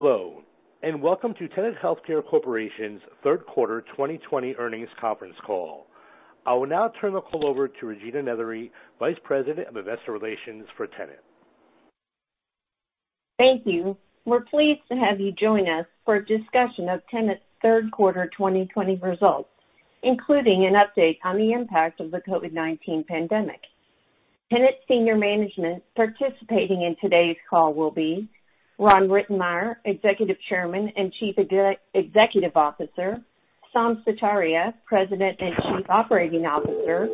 Hello, and welcome to Tenet Healthcare Corporation's third quarter 2020 earnings conference call. I will now turn the call over to Regina Nethery, Vice President of Investor Relations for Tenet. Thank you. We're pleased to have you join us for a discussion of Tenet's third quarter 2020 results, including an update on the impact of the COVID-19 pandemic. Tenet's senior management participating in today's call will be Ron Rittenmeyer, Executive Chairman and Chief Executive Officer, Saum Sutaria, President and Chief Operating Officer,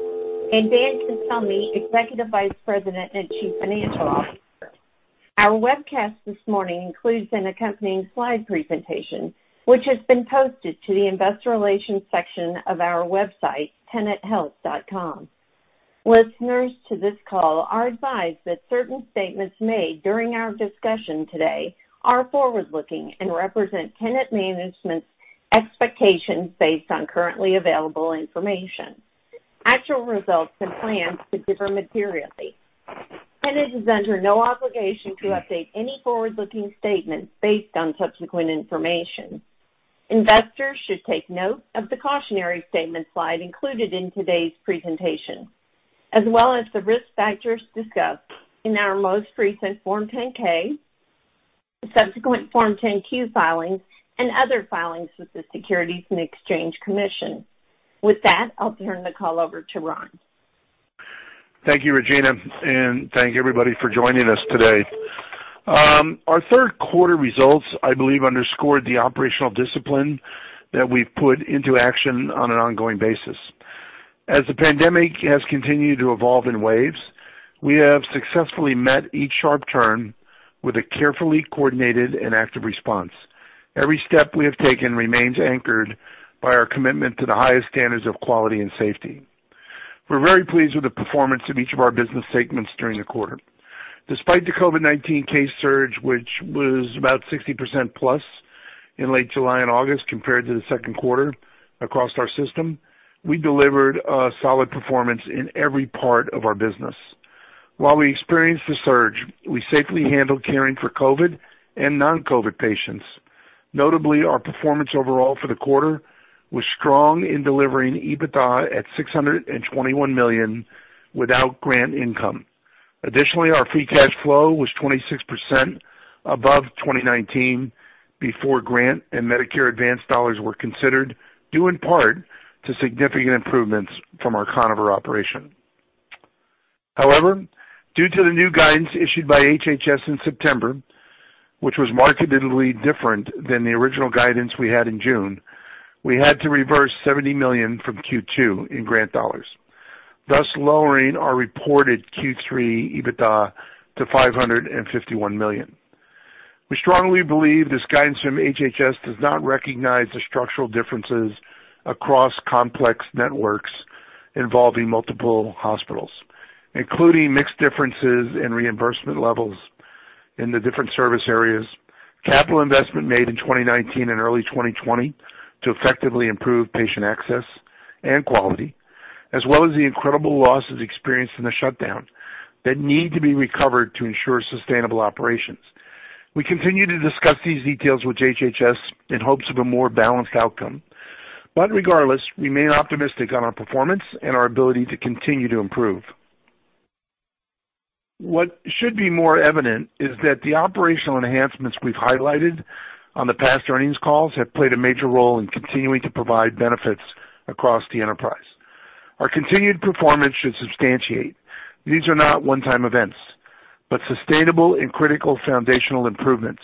and Dan Cancelmi, Executive Vice President and Chief Financial Officer. Our webcast this morning includes an accompanying slide presentation, which has been posted to the investor relations section of our website, tenethealth.com. Listeners to this call are advised that certain statements made during our discussion today are forward-looking and represent Tenet management's expectations based on currently available information. Actual results and plans could differ materially. Tenet is under no obligation to update any forward-looking statements based on subsequent information. Investors should take note of the cautionary statement slide included in today's presentation, as well as the risk factors discussed in our most recent Form 10-K, subsequent Form 10-Q filings, and other filings with the Securities and Exchange Commission. With that, I'll turn the call over to Ron. Thank you, Regina. Thank everybody for joining us today. Our third quarter results, I believe, underscored the operational discipline that we've put into action on an ongoing basis. As the pandemic has continued to evolve in waves, we have successfully met each sharp turn with a carefully coordinated and active response. Every step we have taken remains anchored by our commitment to the highest standards of quality and safety. We're very pleased with the performance of each of our business segments during the quarter. Despite the COVID-19 case surge, which was about +60% in late July and August compared to the second quarter across our system, we delivered a solid performance in every part of our business. While we experienced the surge, we safely handled caring for COVID and non-COVID patients. Notably, our performance overall for the quarter was strong in delivering EBITDA at $621 million without grant income. Additionally, our free cash flow was 26% above 2019 before grant and Medicare advance dollars were considered, due in part to significant improvements from our Conifer operation. Due to the new guidance issued by HHS in September, which was markedly different than the original guidance we had in June, we had to reverse $70 million from Q2 in grant dollars, thus lowering our reported Q3 EBITDA to $551 million. We strongly believe this guidance from HHS does not recognize the structural differences across complex networks involving multiple hospitals, including mixed differences in reimbursement levels in the different service areas, capital investment made in 2019 and early 2020 to effectively improve patient access and quality, as well as the incredible losses experienced in the shutdown that need to be recovered to ensure sustainable operations. We continue to discuss these details with HHS in hopes of a more balanced outcome. Regardless, remain optimistic on our performance and our ability to continue to improve. What should be more evident is that the operational enhancements we've highlighted on the past earnings calls have played a major role in continuing to provide benefits across the enterprise. Our continued performance should substantiate these are not one-time events, but sustainable and critical foundational improvements.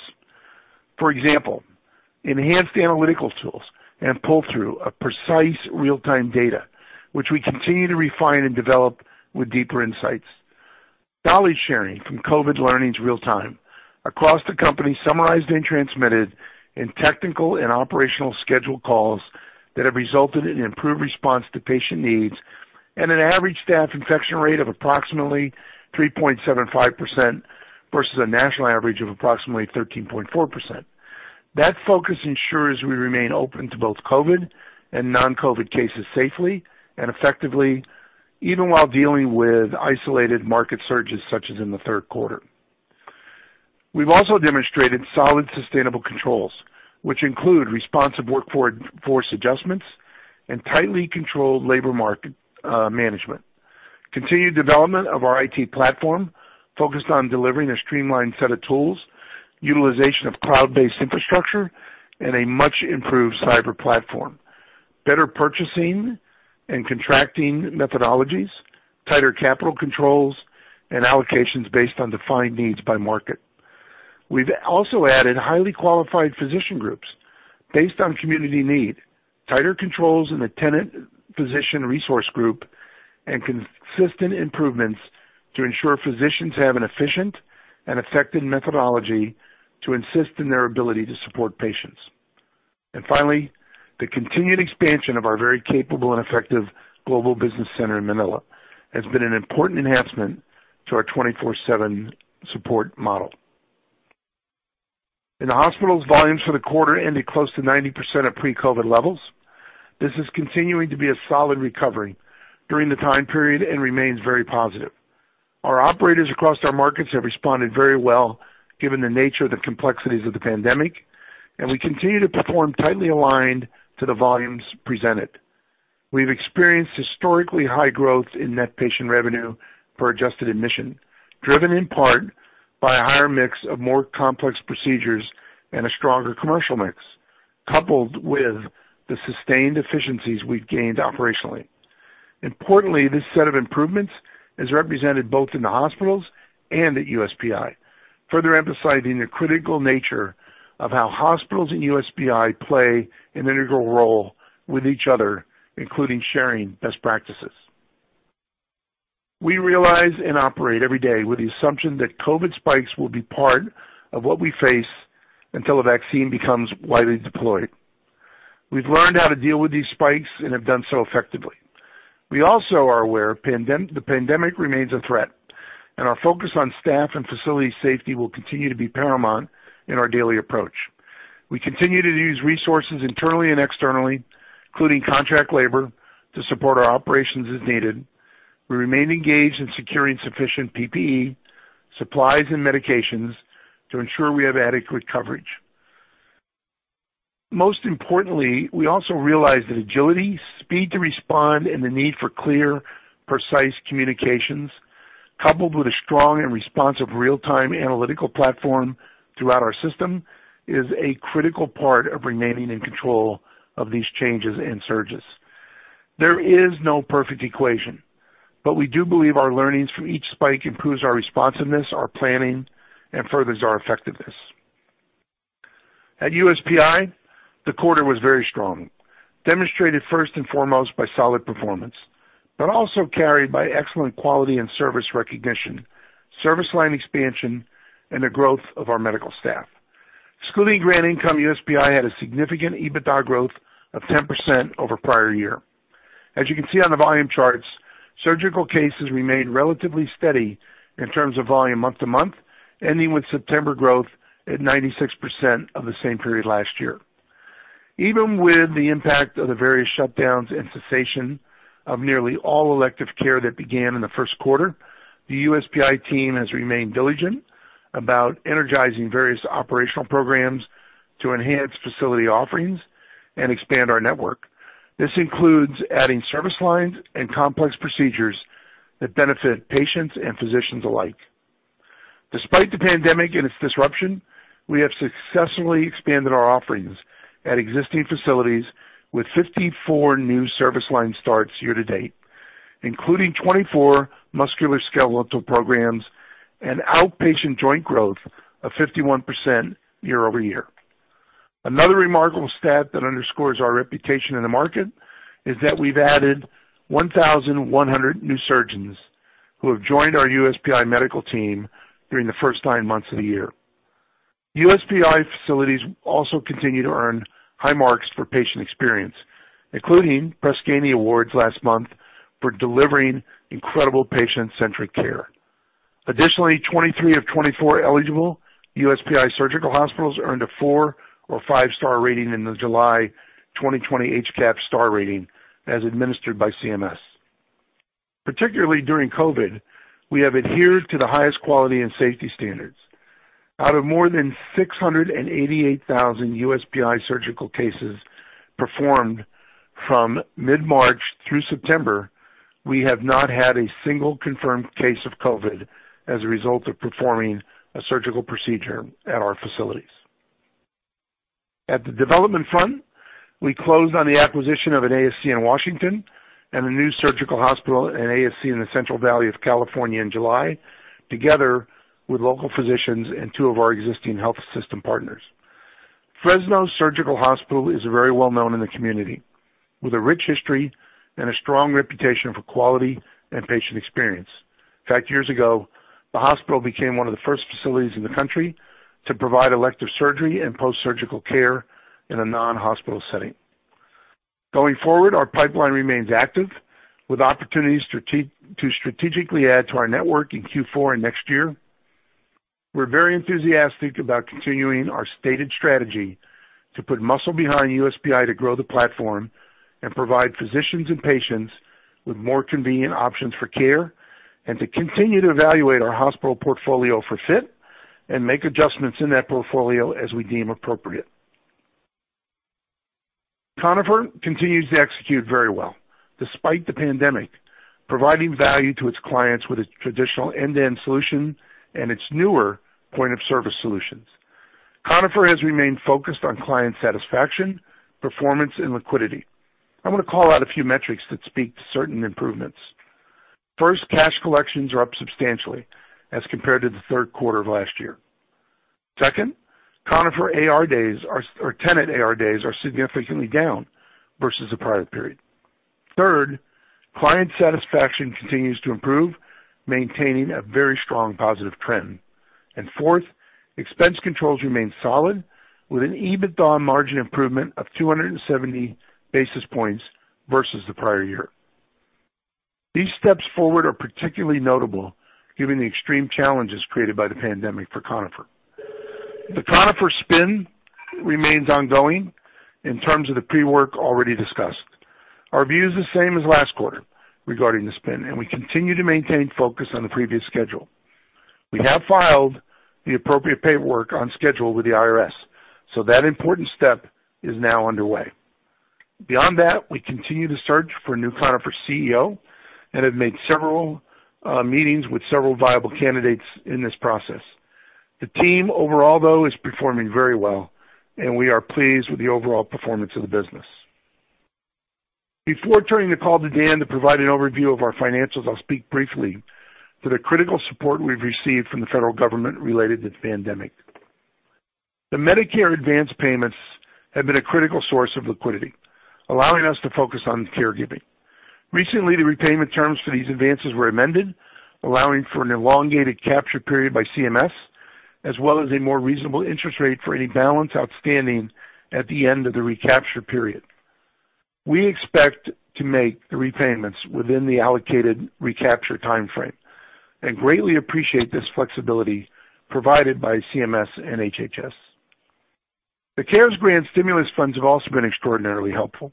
For example, enhanced analytical tools and pull-through of precise real-time data, which we continue to refine and develop with deeper insights. Knowledge sharing from COVID learnings real-time across the company, summarized and transmitted in technical and operational scheduled calls that have resulted in improved response to patient needs and an average staff infection rate of approximately 3.75% versus a national average of approximately 13.4%. That focus ensures we remain open to both COVID and non-COVID cases safely and effectively, even while dealing with isolated market surges such as in the third quarter. We've also demonstrated solid, sustainable controls, which include responsive workforce adjustments and tightly controlled labor market management. Continued development of our IT platform, focused on delivering a streamlined set of tools, utilization of cloud-based infrastructure, and a much-improved cyber platform, better purchasing and contracting methodologies, tighter capital controls, and allocations based on defined needs by market. We've also added highly qualified physician groups based on community need, tighter controls in the Tenet Physician Resources group, and consistent improvements to ensure physicians have an efficient and effective methodology to assist in their ability to support patients. Finally, the continued expansion of our very capable and effective Global Business Center in Manila has been an important enhancement to our 24/7 support model. In the hospitals, volumes for the quarter ended close to 90% of pre-COVID levels. This is continuing to be a solid recovery during the time period and remains very positive. Our operators across our markets have responded very well, given the nature of the complexities of the pandemic, and we continue to perform tightly aligned to the volumes presented. We've experienced historically high growth in net patient revenue per adjusted admission, driven in part by a higher mix of more complex procedures and a stronger commercial mix, coupled with the sustained efficiencies we've gained operationally. Importantly, this set of improvements is represented both in the hospitals and at USPI, further emphasizing the critical nature of how hospitals and USPI play an integral role with each other, including sharing best practices. We realize and operate every day with the assumption that COVID spikes will be part of what we face until a vaccine becomes widely deployed. We've learned how to deal with these spikes and have done so effectively. We also are aware the pandemic remains a threat, and our focus on staff and facility safety will continue to be paramount in our daily approach. We continue to use resources internally and externally, including contract labor, to support our operations as needed. We remain engaged in securing sufficient PPE, supplies, and medications to ensure we have adequate coverage. Most importantly, we also realize that agility, speed to respond, and the need for clear, precise communications, coupled with a strong and responsive real-time analytical platform throughout our system, is a critical part of remaining in control of these changes and surges. There is no perfect equation, but we do believe our learnings from each spike improves our responsiveness, our planning, and furthers our effectiveness. At USPI, the quarter was very strong, demonstrated first and foremost by solid performance, but also carried by excellent quality and service recognition, service line expansion, and the growth of our medical staff. Excluding grant income, USPI had a significant EBITDA growth of 10% over prior year. As you can see on the volume charts, surgical cases remained relatively steady in terms of volume month-to-month, ending with September growth at 96% of the same period last year. Even with the impact of the various shutdowns and cessation of nearly all elective care that began in the first quarter, the USPI team has remained diligent about energizing various operational programs to enhance facility offerings and expand our network. This includes adding service lines and complex procedures that benefit patients and physicians alike. Despite the pandemic and its disruption, we have successfully expanded our offerings at existing facilities with 54 new service line starts year-to-date, including 24 musculoskeletal programs and outpatient joint growth of 51% year-over-year. Another remarkable stat that underscores our reputation in the market is that we've added 1,100 new surgeons who have joined our USPI medical team during the first nine months of the year. USPI facilities also continue to earn high marks for patient experience, including Press Ganey Awards last month for delivering incredible patient-centric care. Additionally, 23 of 24 eligible USPI surgical hospitals earned a four or five-star rating in the July 2020 HCAHPS star rating as administered by CMS. Particularly during COVID, we have adhered to the highest quality and safety standards. Out of more than 688,000 USPI surgical cases performed from mid-March through September, we have not had a single confirmed case of COVID as a result of performing a surgical procedure at our facilities. At the development front, we closed on the acquisition of an ASC in Washington and a new surgical hospital and ASC in the Central Valley of California in July, together with local physicians and two of our existing health system partners. Fresno Surgical Hospital is very well-known in the community, with a rich history and a strong reputation for quality and patient experience. In fact, years ago, the hospital became one of the first facilities in the country to provide elective surgery and post-surgical care in a non-hospital setting. Going forward, our pipeline remains active, with opportunities to strategically add to our network in Q4 and next year. We're very enthusiastic about continuing our stated strategy to put muscle behind USPI to grow the platform and provide physicians and patients with more convenient options for care, and to continue to evaluate our hospital portfolio for fit, and make adjustments in that portfolio as we deem appropriate. Conifer continues to execute very well despite the pandemic, providing value to its clients with its traditional end-to-end solution and its newer point-of-service solutions. Conifer has remained focused on client satisfaction, performance, and liquidity. I want to call out a few metrics that speak to certain improvements. First, cash collections are up substantially as compared to the third quarter of last year. Second, Conifer AR days or Tenet AR days are significantly down versus the prior period. Third, client satisfaction continues to improve, maintaining a very strong positive trend. Fourth, expense controls remain solid with an EBITDA margin improvement of 270 basis points versus the prior year. These steps forward are particularly notable given the extreme challenges created by the pandemic for Conifer. The Conifer spin remains ongoing in terms of the pre-work already discussed. Our view is the same as last quarter regarding the spin, and we continue to maintain focus on the previous schedule. We have filed the appropriate paperwork on schedule with the IRS, so that important step is now underway. Beyond that, we continue to search for a new Conifer CEO and have made several meetings with several viable candidates in this process. The team overall, though, is performing very well, and we are pleased with the overall performance of the business. Before turning the call to Dan to provide an overview of our financials, I'll speak briefly to the critical support we've received from the federal government related to the pandemic. The Medicare advance payments have been a critical source of liquidity, allowing us to focus on caregiving. Recently, the repayment terms for these advances were amended, allowing for an elongated capture period by CMS, as well as a more reasonable interest rate for any balance outstanding at the end of the recapture period. We expect to make the repayments within the allocated recapture timeframe and greatly appreciate this flexibility provided by CMS and HHS. The CARES grant stimulus funds have also been extraordinarily helpful.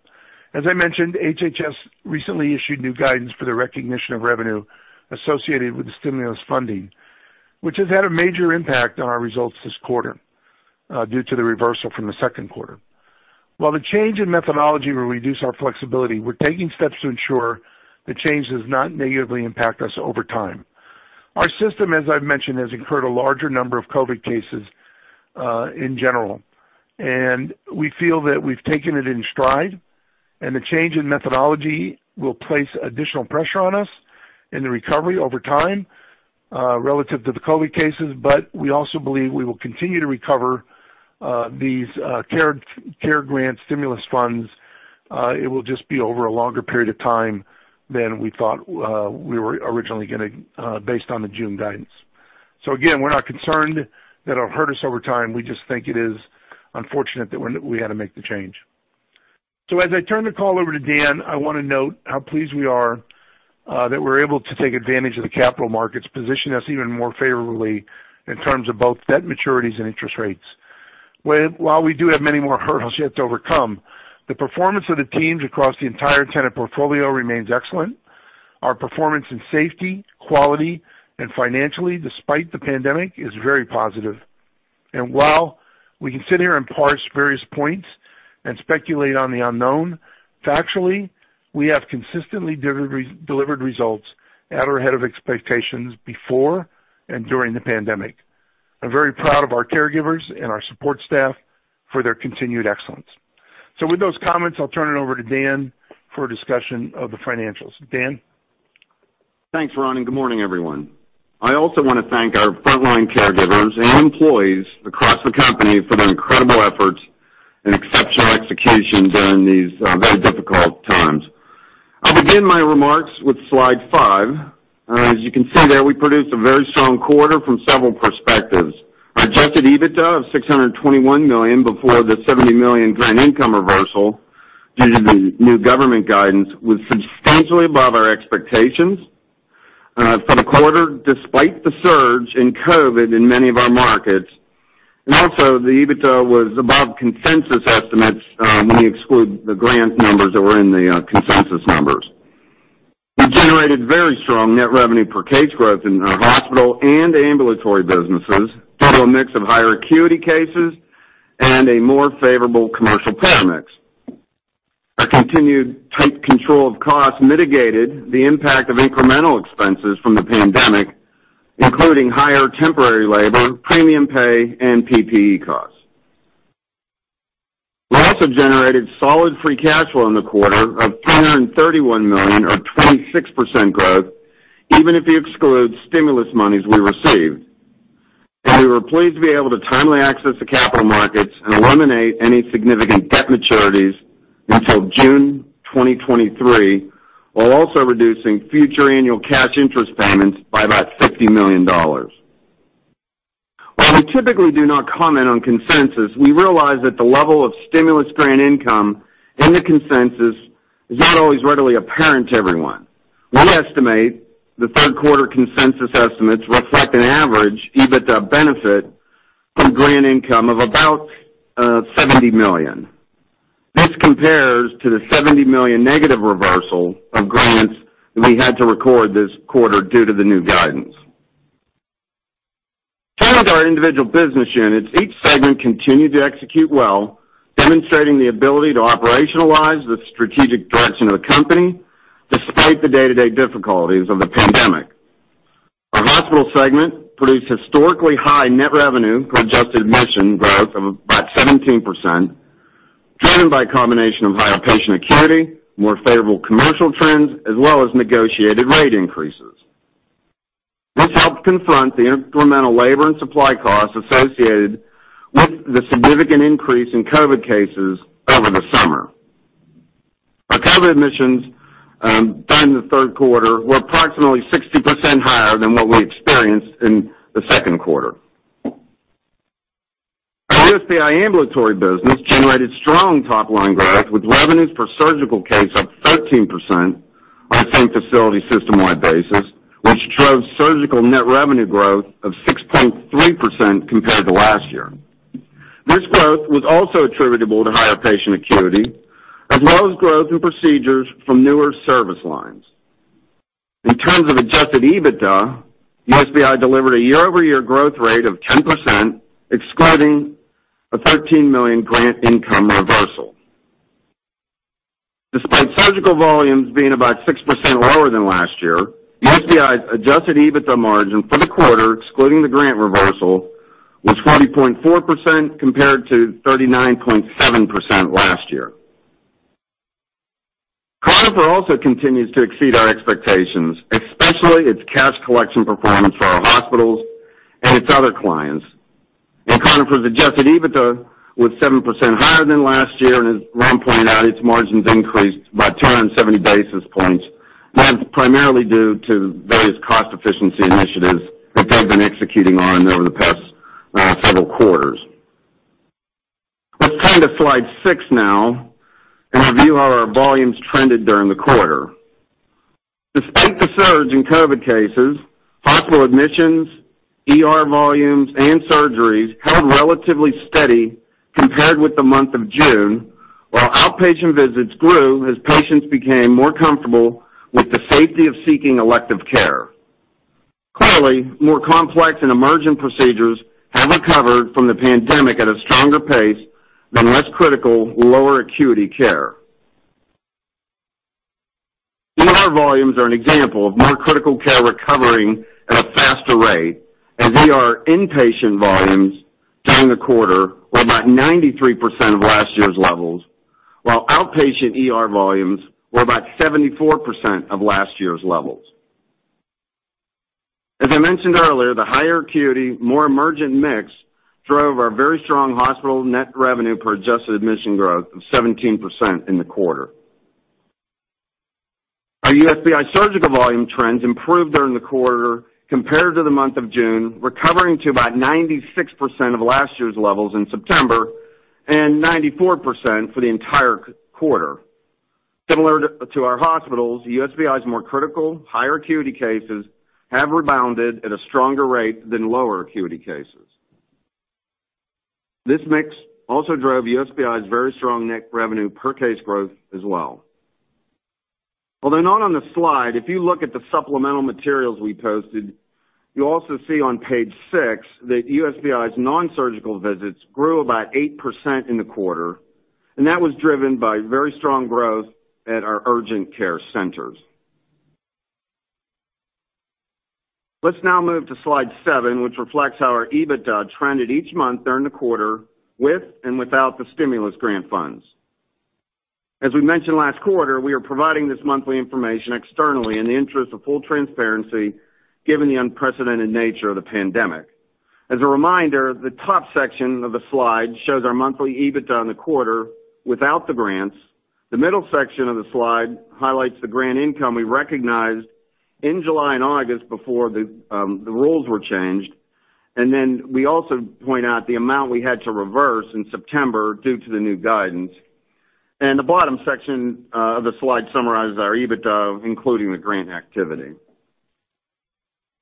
As I mentioned, HHS recently issued new guidance for the recognition of revenue associated with the stimulus funding, which has had a major impact on our results this quarter due to the reversal from the second quarter. While the change in methodology will reduce our flexibility, we're taking steps to ensure the change does not negatively impact us over time. Our system, as I've mentioned, has incurred a larger number of COVID cases, in general, and we feel that we've taken it in stride. The change in methodology will place additional pressure on us in the recovery over time, relative to the COVID cases. We also believe we will continue to recover, these CARES grant stimulus funds. It will just be over a longer period of time than we thought we were originally going to, based on the June guidance. Again, we're not concerned that it'll hurt us over time. We just think it is unfortunate that we had to make the change. As I turn the call over to Dan, I want to note how pleased we are, that we're able to take advantage of the capital markets, position us even more favorably in terms of both debt maturities and interest rates. While we do have many more hurdles yet to overcome, the performance of the teams across the entire Tenet portfolio remains excellent. Our performance in safety, quality, and financially, despite the pandemic, is very positive. While we can sit here and parse various points and speculate on the unknown, factually, we have consistently delivered results at or ahead of expectations before and during the pandemic. I'm very proud of our caregivers and our support staff for their continued excellence. With those comments, I'll turn it over to Dan for a discussion of the financials. Dan? Thanks, Ron, and good morning, everyone. I also want to thank our frontline caregivers and employees across the company for their incredible efforts and exceptional execution during these very difficult times. I'll begin my remarks with slide five. As you can see there, we produced a very strong quarter from several perspectives. Our adjusted EBITDA of $621 million, before the $70 million grant income reversal due to the new government guidance, was substantially above our expectations for the quarter, despite the surge in COVID in many of our markets. Also, the EBITDA was above consensus estimates, when you exclude the grant numbers that were in the consensus numbers. We generated very strong net revenue per case growth in our hospital and ambulatory businesses due to a mix of higher acuity cases and a more favorable commercial payer mix. Our continued tight control of cost mitigated the impact of incremental expenses from the pandemic, including higher temporary labor, premium pay, and PPE costs. We also generated solid free cash flow in the quarter of $331 million or 26% growth, even if you exclude stimulus monies we received. We were pleased to be able to timely access the capital markets and eliminate any significant debt maturities until June 2023, while also reducing future annual cash interest payments by about $60 million. While we typically do not comment on consensus, we realize that the level of stimulus grant income in the consensus is not always readily apparent to everyone. We estimate the third quarter consensus estimates reflect an average EBITDA benefit from grant income of about $70 million. This compares to the $70 million negative reversal of grants that we had to record this quarter due to the new guidance. Turning to our individual business units, each segment continued to execute well, demonstrating the ability to operationalize the strategic direction of the company despite the day-to-day difficulties of the pandemic. Our hospital segment produced historically high net revenue per adjusted admission growth of about 17%, driven by a combination of higher patient acuity, more favorable commercial trends, as well as negotiated rate increases. This helped confront the incremental labor and supply costs associated with the significant increase in COVID cases over the summer. Our COVID admissions, during the third quarter, were approximately 60% higher than what we experienced in the second quarter. USPI ambulatory business generated strong top-line growth with revenues per surgical case up 13% on a same-facility system-wide basis, which drove surgical net revenue growth of 6.3% compared to last year. This growth was also attributable to higher patient acuity, as well as growth in procedures from newer service lines. In terms of adjusted EBITDA, USPI delivered a year-over-year growth rate of 10%, excluding a $13 million grant income reversal. Despite surgical volumes being about 6% lower than last year, USPI's adjusted EBITDA margin for the quarter, excluding the grant reversal, was 20.4% compared to 39.7% last year. Conifer also continues to exceed our expectations, especially its cash collection performance for our hospitals and its other clients. Conifer's adjusted EBITDA was 7% higher than last year, and as Ron pointed out, its margins increased by 270 basis points, primarily due to various cost efficiency initiatives that they've been executing on over the past several quarters. Let's turn to slide six now and review how our volumes trended during the quarter. Despite the surge in COVID cases, hospital admissions, ER volumes, and surgeries held relatively steady compared with the month of June, while outpatient visits grew as patients became more comfortable with the safety of seeking elective care. Clearly, more complex and emergent procedures have recovered from the pandemic at a stronger pace than less critical, lower acuity care. ER volumes are an example of more critical care recovering at a faster rate, as ER inpatient volumes during the quarter were about 93% of last year's levels, while outpatient ER volumes were about 74% of last year's levels. As I mentioned earlier, the higher acuity, more emergent mix drove our very strong hospital net revenue per adjusted admission growth of 17% in the quarter. Our USPI surgical volume trends improved during the quarter compared to the month of June, recovering to about 96% of last year's levels in September and 94% for the entire quarter. Similar to our hospitals, USPI's more critical, higher acuity cases have rebounded at a stronger rate than lower acuity cases. This mix also drove USPI's very strong net revenue per case growth as well. Although not on the slide, if you look at the supplemental materials we posted, you'll also see on page six that USPI's nonsurgical visits grew about 8% in the quarter, and that was driven by very strong growth at our urgent care centers. Let's now move to slide seven, which reflects how our EBITDA trended each month during the quarter with and without the stimulus grant funds. As we mentioned last quarter, we are providing this monthly information externally in the interest of full transparency, given the unprecedented nature of the pandemic. As a reminder, the top section of the slide shows our monthly EBITDA in the quarter without the grants. The middle section of the slide highlights the grant income we recognized in July and August before the rules were changed. Then we also point out the amount we had to reverse in September due to the new guidance. The bottom section of the slide summarizes our EBITDA, including the grant activity.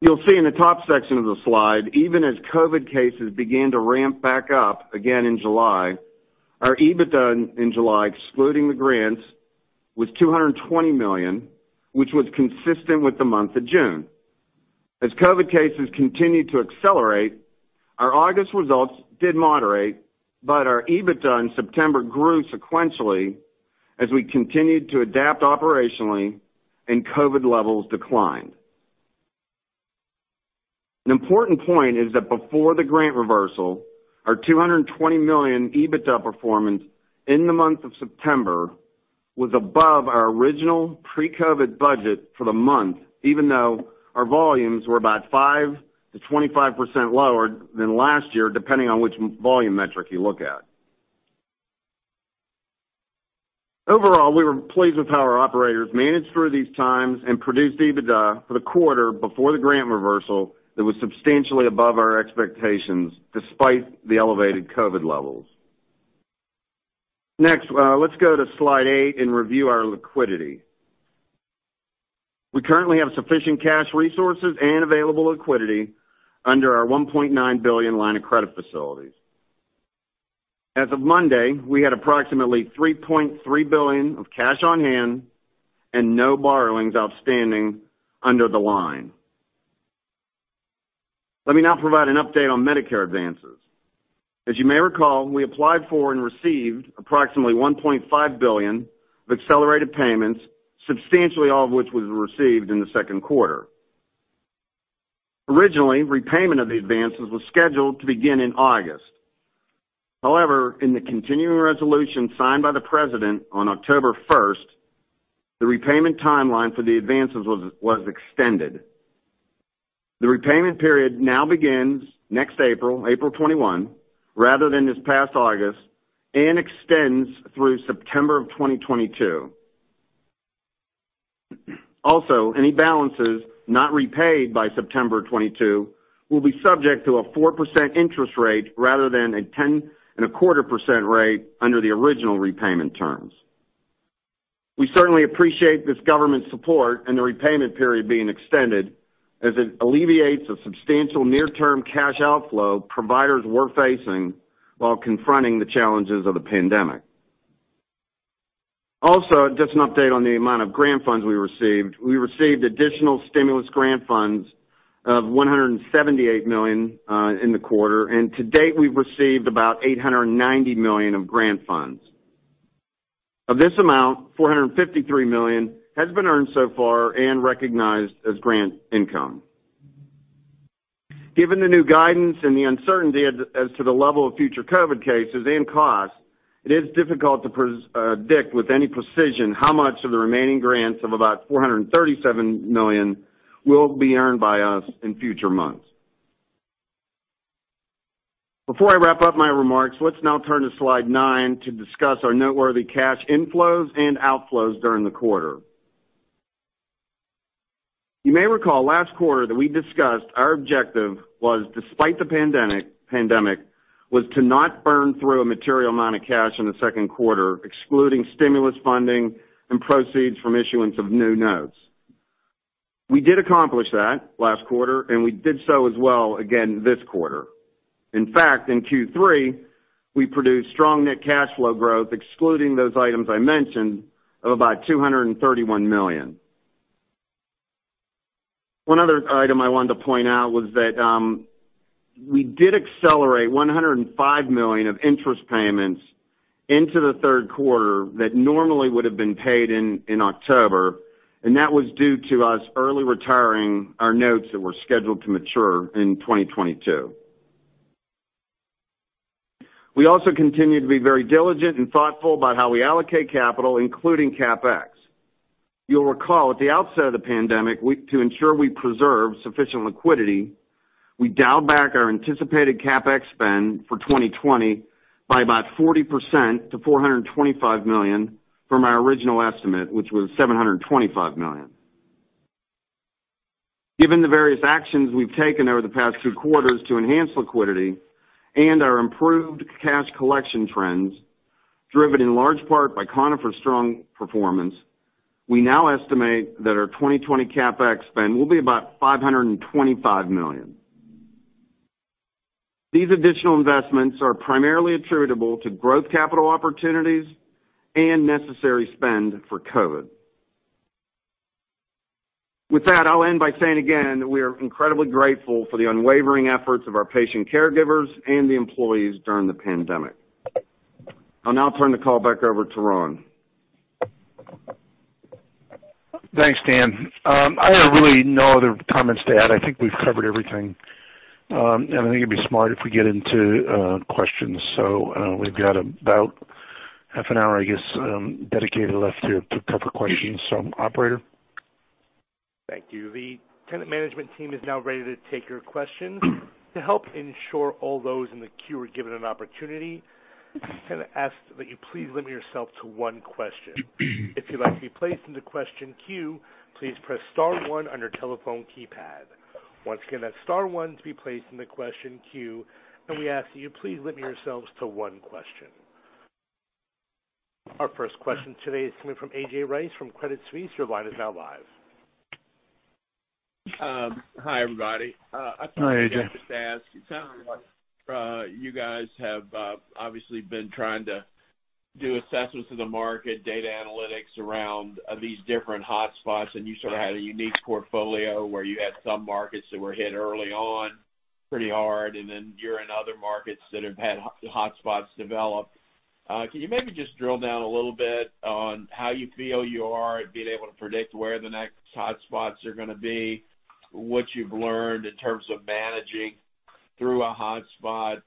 You'll see in the top section of the slide, even as COVID cases began to ramp back up again in July, our EBITDA in July, excluding the grants, was $220 million, which was consistent with the month of June. COVID cases continued to accelerate, our August results did moderate, but our EBITDA in September grew sequentially as we continued to adapt operationally and COVID levels declined. Important point is that before the grant reversal, our $220 million EBITDA performance in the month of September was above our original pre-COVID budget for the month, even though our volumes were about 5%-25% lower than last year, depending on which volume metric you look at. Overall, we were pleased with how our operators managed through these times and produced EBITDA for the quarter before the grant reversal that was substantially above our expectations despite the elevated COVID-19 levels. Next, let's go to slide eight and review our liquidity. We currently have sufficient cash resources and available liquidity under our $1.9 billion line of credit facilities. As of Monday, we had approximately $3.3 billion of cash on hand and no borrowings outstanding under the line. Let me now provide an update on Medicare advances. As you may recall, we applied for and received approximately $1.5 billion of accelerated payments, substantially all of which was received in the second quarter. Originally, repayment of the advances was scheduled to begin in August. However, in the continuing resolution signed by the President on October 1st, the repayment timeline for the advances was extended. The repayment period now begins next April, April 21, rather than this past August, and extends through September of 2022. Also, any balances not repaid by September 22 will be subject to a 4% interest rate rather than a 10.25% rate under the original repayment terms. We certainly appreciate this government support and the repayment period being extended as it alleviates a substantial near-term cash outflow providers were facing while confronting the challenges of the pandemic. Also, just an update on the amount of grant funds we received. We received additional stimulus grant funds of $178 million in the quarter. To date, we've received about $890 million of grant funds. Of this amount, $453 million has been earned so far and recognized as grant income. Given the new guidance and the uncertainty as to the level of future COVID cases and costs, it is difficult to predict with any precision how much of the remaining grants of about $437 million will be earned by us in future months. Before I wrap up my remarks, let's now turn to slide nine to discuss our noteworthy cash inflows and outflows during the quarter. You may recall last quarter that we discussed our objective was, despite the pandemic, was to not burn through a material amount of cash in the second quarter, excluding stimulus funding and proceeds from issuance of new notes. We did accomplish that last quarter, and we did so as well again this quarter. In fact, in Q3, we produced strong net cash flow growth, excluding those items I mentioned, of about $231 million. One other item I wanted to point out was that we did accelerate $105 million of interest payments into the third quarter that normally would have been paid in October, and that was due to us early retiring our notes that were scheduled to mature in 2022. We also continue to be very diligent and thoughtful about how we allocate capital, including CapEx. You'll recall at the outset of the pandemic, to ensure we preserve sufficient liquidity, we dialed back our anticipated CapEx spend for 2020 by about 40% to $425 million from our original estimate, which was $725 million. Given the various actions we've taken over the past two quarters to enhance liquidity and our improved cash collection trends, driven in large part by Conifer's strong performance, we now estimate that our 2020 CapEx spend will be about $525 million. These additional investments are primarily attributable to growth capital opportunities and necessary spend for COVID. With that, I'll end by saying again that we are incredibly grateful for the unwavering efforts of our patient caregivers and the employees during the pandemic. I'll now turn the call back over to Ron. Thanks, Dan. I have really no other comments to add. I think we've covered everything. I think it'd be smart if we get into questions. We've got about half an hour, I guess dedicated left here to cover questions. Operator. Thank you. The Tenet management team is now ready to take your questions. To help ensure all those in the queue are given an opportunity, Tenet asks that you please limit yourself to one question. If you'd like to be placed in the question queue, please press star one on your telephone keypad. Once again, that's star one to be placed in the question queue, and we ask that you please limit yourselves to one question. Our first question today is coming from A.J. Rice from Credit Suisse. Your line is now live. Hi, everybody. Hi, A.J. I probably don't have to ask. It sounds like you guys have obviously been trying to do assessments of the market data analytics around these different hotspots, and you sort of had a unique portfolio where you had some markets that were hit early on pretty hard, and then you're in other markets that have had hotspots develop. Can you maybe just drill down a little bit on how you feel you are at being able to predict where the next hotspots are going to be, what you've learned in terms of managing through a hotspot,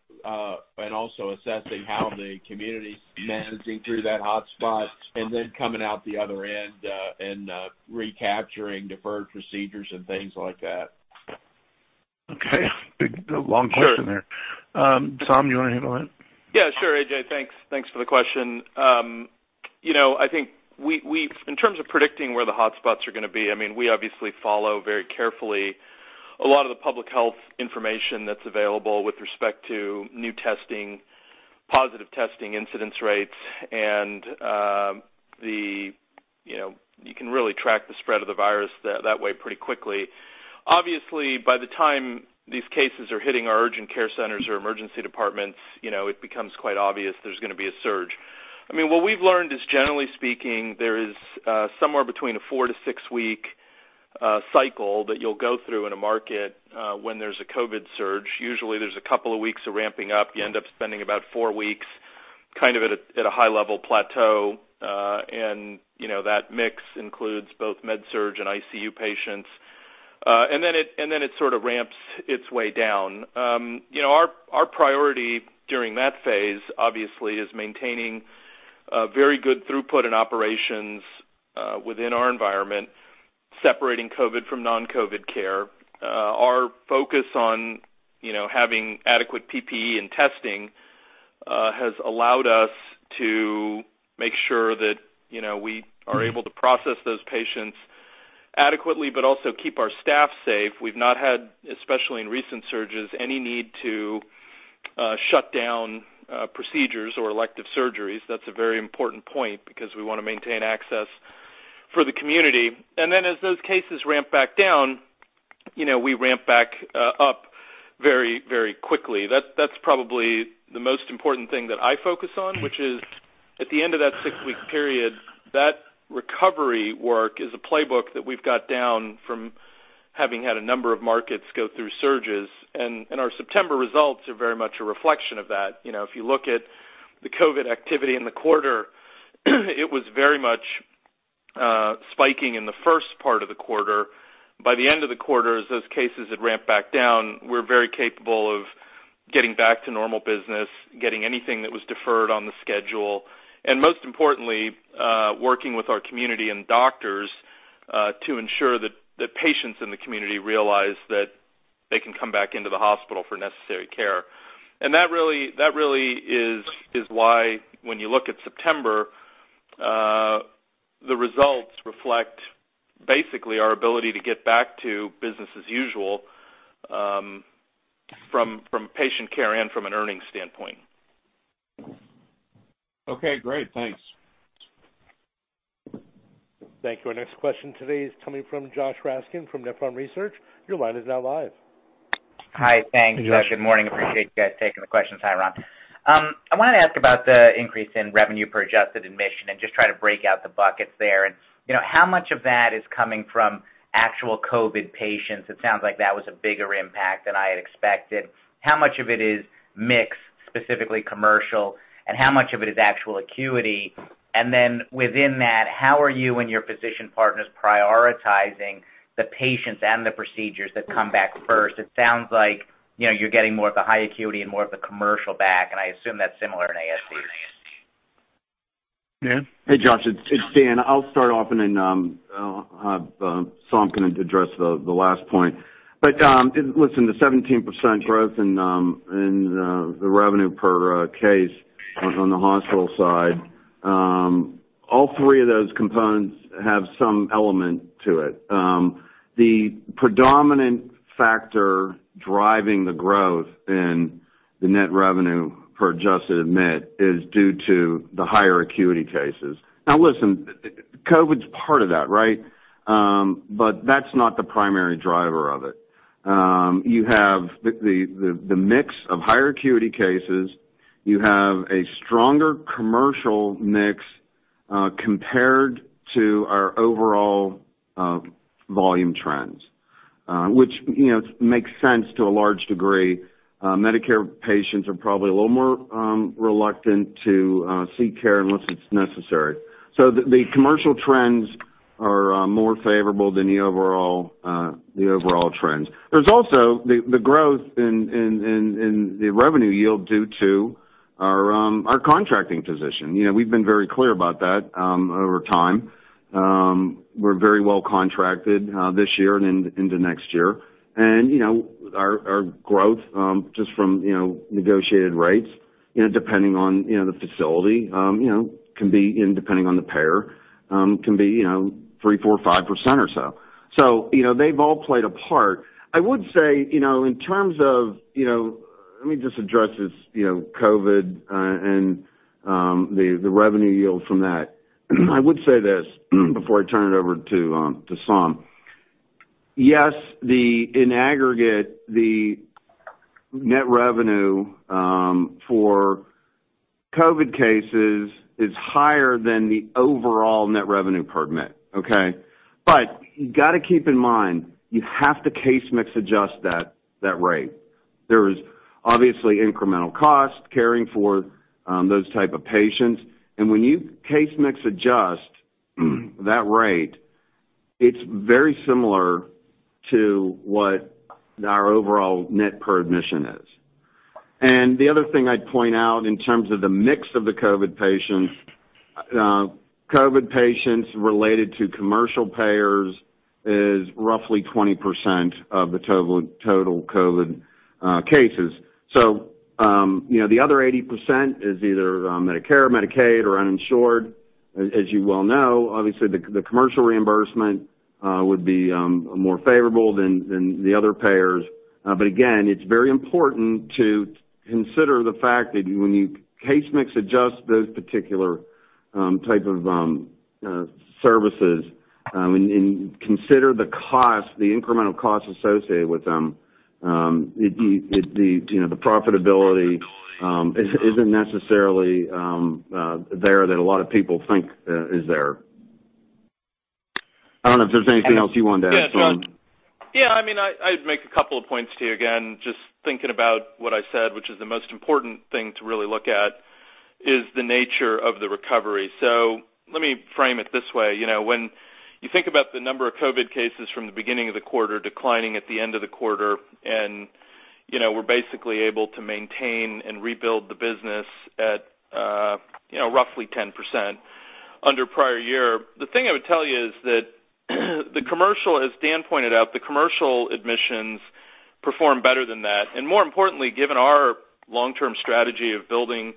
and also assessing how the community's managing through that hotspot and then coming out the other end and recapturing deferred procedures and things like that? Okay. A long question there. Sure. Saum, do you want to handle that? Yeah, sure, A.J. Thanks for the question. I think in terms of predicting where the hotspots are going to be, we obviously follow very carefully a lot of the public health information that's available with respect to new testing, positive testing incidence rates, and you can really track the spread of the virus that way pretty quickly. Obviously, by the time these cases are hitting our urgent care centers or emergency departments, it becomes quite obvious there's going to be a surge. What we've learned is, generally speaking, there is somewhere between a four to six-week cycle that you'll go through in a market when there's a COVID surge. Usually, there's a couple of weeks of ramping up. You end up spending about four weeks at a high-level plateau. That mix includes both med-surg and ICU patients. It sort of ramps its way down. Our priority during that phase, obviously, is maintaining a very good throughput in operations within our environment, separating COVID from non-COVID care. Our focus on having adequate PPE and testing has allowed us to make sure that we are able to process those patients adequately, but also keep our staff safe. We've not had, especially in recent surges, any need to shut down procedures or elective surgeries. That's a very important point because we want to maintain access for the community. Then as those cases ramp back down, we ramp back up very quickly. That's probably the most important thing that I focus on, which is at the end of that six-week period, that recovery work is a playbook that we've got down from having had a number of markets go through surges. Our September results are very much a reflection of that. If you look at the COVID activity in the quarter, it was very much spiking in the first part of the quarter. By the end of the quarter, as those cases had ramped back down, we're very capable of getting back to normal business, getting anything that was deferred on the schedule, and most importantly, working with our community and doctors, to ensure that the patients in the community realize that they can come back into the hospital for necessary care. That really is why when you look at September, the results reflect basically our ability to get back to business as usual from patient care and from an earnings standpoint. Okay, great. Thanks. Thank you. Our next question today is coming from Josh Raskin from Nephron Research. Your line is now live. Hi. Thanks. Hey, Josh. Good morning. Appreciate you guys taking the questions. Hi, Ron. I wanted to ask about the increase in revenue per adjusted admission and just try to break out the buckets there. How much of that is coming from actual COVID patients? It sounds like that was a bigger impact than I had expected. How much of it is mix, specifically commercial, and how much of it is actual acuity? Within that, how are you and your physician partners prioritizing the patients and the procedures that come back first? It sounds like you're getting more of the high acuity and more of the commercial back, and I assume that's similar in ASC. Dan? Hey, Josh. It's Dan. I'll start off and then Saum going to address the last point. Listen, the 17% growth in the revenue per case on the hospital side, all three of those components have some element to it. The predominant factor driving the growth in the net revenue per adjusted admit is due to the higher acuity cases. Listen, COVID's part of that, right? That's not the primary driver of it. You have the mix of higher acuity cases. You have a stronger commercial mix, compared to our overall volume trends, which makes sense to a large degree. Medicare patients are probably a little more reluctant to seek care unless it's necessary. The commercial trends are more favorable than the overall trends. There's also the growth in the revenue yield due to our contracting position. We've been very clear about that over time. We're very well contracted this year and into next year. Our growth, just from negotiated rates, depending on the facility, and depending on the payer, can be 3%, 4%, 5% or so. They've all played a part. Let me just address this COVID, and the revenue yield from that. I would say this before I turn it over to Saum. Yes, in aggregate, the net revenue for COVID cases is higher than the overall net revenue per admit. Okay? You got to keep in mind, you have to case-mix adjust that rate. There is obviously incremental cost caring for those type of patients. When you case-mix adjust that rate, it's very similar to what our overall net per admission is. The other thing I'd point out in terms of the mix of the COVID patients, COVID patients related to commercial payers is roughly 20% of the total COVID cases. The other 80% is either Medicare, Medicaid, or uninsured. As you well know, obviously, the commercial reimbursement would be more favorable than the other payers. Again, it's very important to consider the fact that when you case-mix adjust those particular type of services, and consider the incremental cost associated with them, the profitability isn't necessarily there that a lot of people think is there. I don't know if there's anything else you wanted to add, Saum. Yeah. I'd make a couple of points to you again, just thinking about what I said, which is the most important thing to really look at is the nature of the recovery. Let me frame it this way. When you think about the number of COVID cases from the beginning of the quarter declining at the end of the quarter, and we're basically able to maintain and rebuild the business at roughly 10%. Under prior year. The thing I would tell you is that as Dan pointed out, the commercial admissions performed better than that. More importantly, given our long-term strategy of building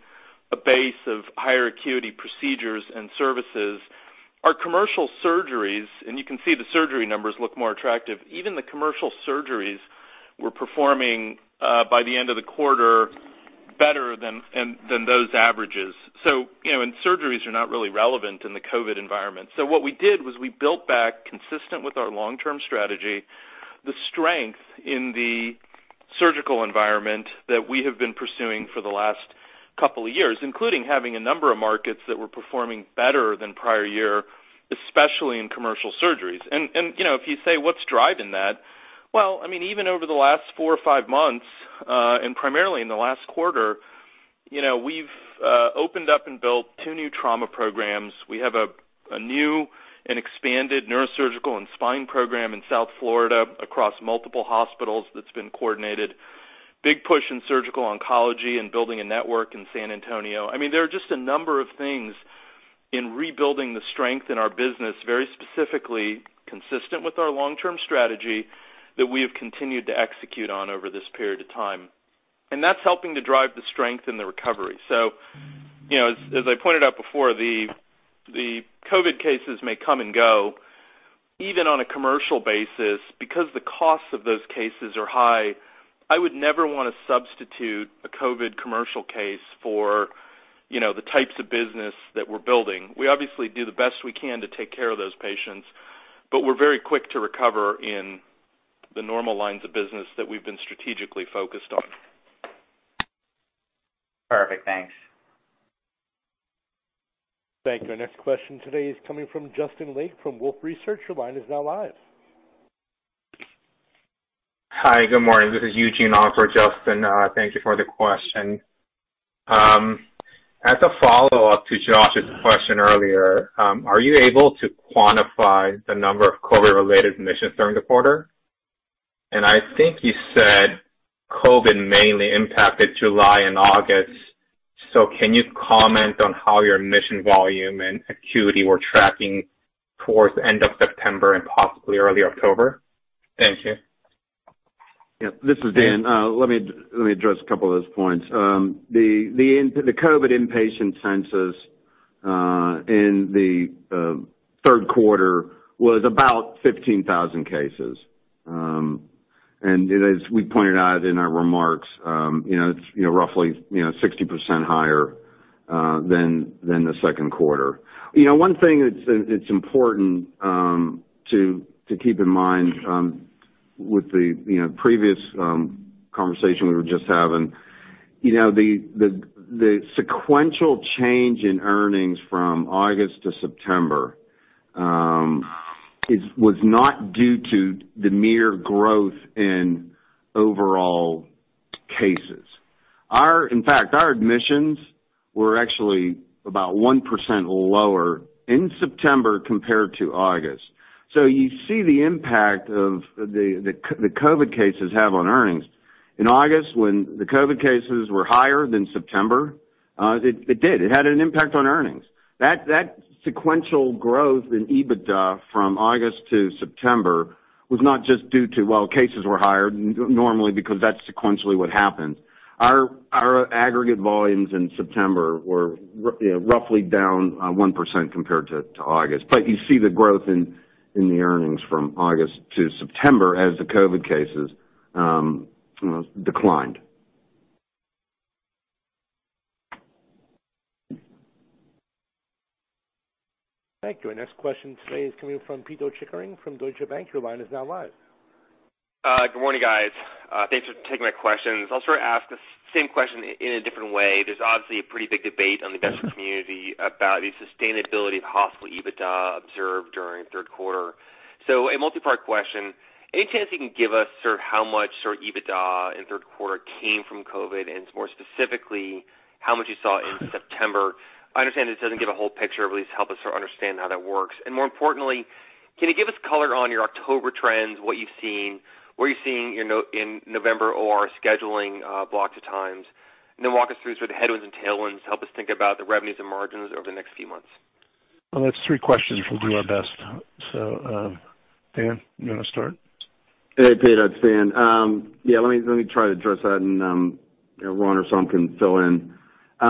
a base of higher acuity procedures and services, our commercial surgeries, and you can see the surgery numbers look more attractive, even the commercial surgeries were performing, by the end of the quarter, better than those averages. Surgeries are not really relevant in the COVID environment. What we did was we built back consistent with our long-term strategy, the strength in the surgical environment that we have been pursuing for the last couple of years, including having a number of markets that were performing better than prior year, especially in commercial surgeries. If you say, what's driving that? Well, even over the last four or five months, and primarily in the last quarter, we've opened up and built two new trauma programs. We have a new and expanded neurosurgical and spine program in South Florida across multiple hospitals that's been coordinated. Big push in surgical oncology and building a network in San Antonio. There are just a number of things in rebuilding the strength in our business, very specifically consistent with our long-term strategy, that we have continued to execute on over this period of time. That's helping to drive the strength in the recovery. As I pointed out before, the COVID cases may come and go. Even on a commercial basis, because the costs of those cases are high, I would never want to substitute a COVID commercial case for the types of business that we're building. We obviously do the best we can to take care of those patients, but we're very quick to recover in the normal lines of business that we've been strategically focused on. Perfect. Thanks. Thank you. Our next question today is coming from Justin Lake from Wolfe Research. Your line is now live. Hi, good morning. This is Eugene on for Justin. Thank you for the question. As a follow-up to Josh's question earlier, are you able to quantify the number of COVID-related admissions during the quarter? I think you said COVID mainly impacted July and August, so can you comment on how your admission volume and acuity were tracking towards the end of September and possibly early October? Thank you. Yep, this is Dan. Let me address a couple of those points. The COVID inpatient census in the third quarter was about 15,000 cases. As we pointed out in our remarks, it's roughly 60% higher than the second quarter. One thing that's important to keep in mind with the previous conversation we were just having, the sequential change in earnings from August to September was not due to the mere growth in overall cases. In fact, our admissions were actually about 1% lower in September compared to August. You see the impact of the COVID cases have on earnings. In August, when the COVID cases were higher than September, it did. It had an impact on earnings. That sequential growth in EBITDA from August to September was not just due to, well, cases were higher normally because th at's sequentially what happened. Our aggregate volumes in September were roughly down 1% compared to August. You see the growth in the earnings from August to September as the COVID cases declined. Thank you. Our next question today is coming from Pito Chickering from Deutsche Bank. Your line is now live. Good morning, guys. Thanks for taking my questions. I'll sort of ask the same question in a different way. There's obviously a pretty big debate on the investor community about the sustainability of hospital EBITDA observed during third quarter. A multi-part question, any chance you can give us how much EBITDA in third quarter came from COVID, and more specifically, how much you saw in September? I understand this doesn't give a whole picture, but at least help us understand how that works. More importantly, can you give us color on your October trends, what you've seen, what are you seeing in November OR scheduling blocks of times? Then walk us through sort of the headwinds and tailwinds to help us think about the revenues and margins over the next few months. Well, that's three questions. We'll do our best. Dan, you want to start? Hey, Pito. It's Dan. Let me try to address that and Ron or Saum can fill in. We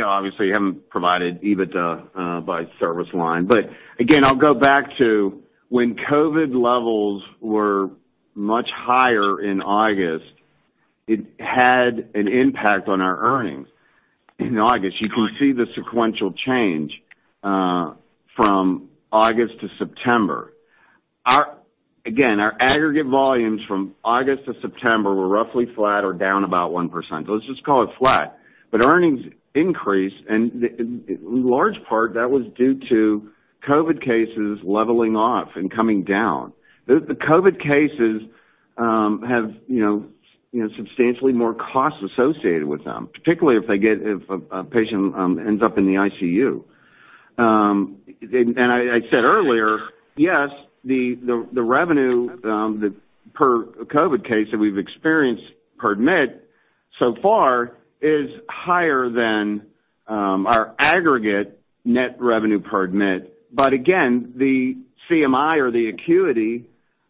obviously haven't provided EBITDA by service line. Again, I'll go back to when COVID levels were much higher in August, it had an impact on our earnings in August. You can see the sequential change from August to September. Again, our aggregate volumes from August to September were roughly flat or down about 1%, so let's just call it flat. Earnings increased, and in large part, that was due to COVID cases leveling off and coming down. The COVID cases have substantially more costs associated with them, particularly if a patient ends up in the ICU. I said earlier, yes, the revenue per COVID case that we've experienced per admit so far is higher than our aggregate net revenue per admit. Again, the CMI or the acuity,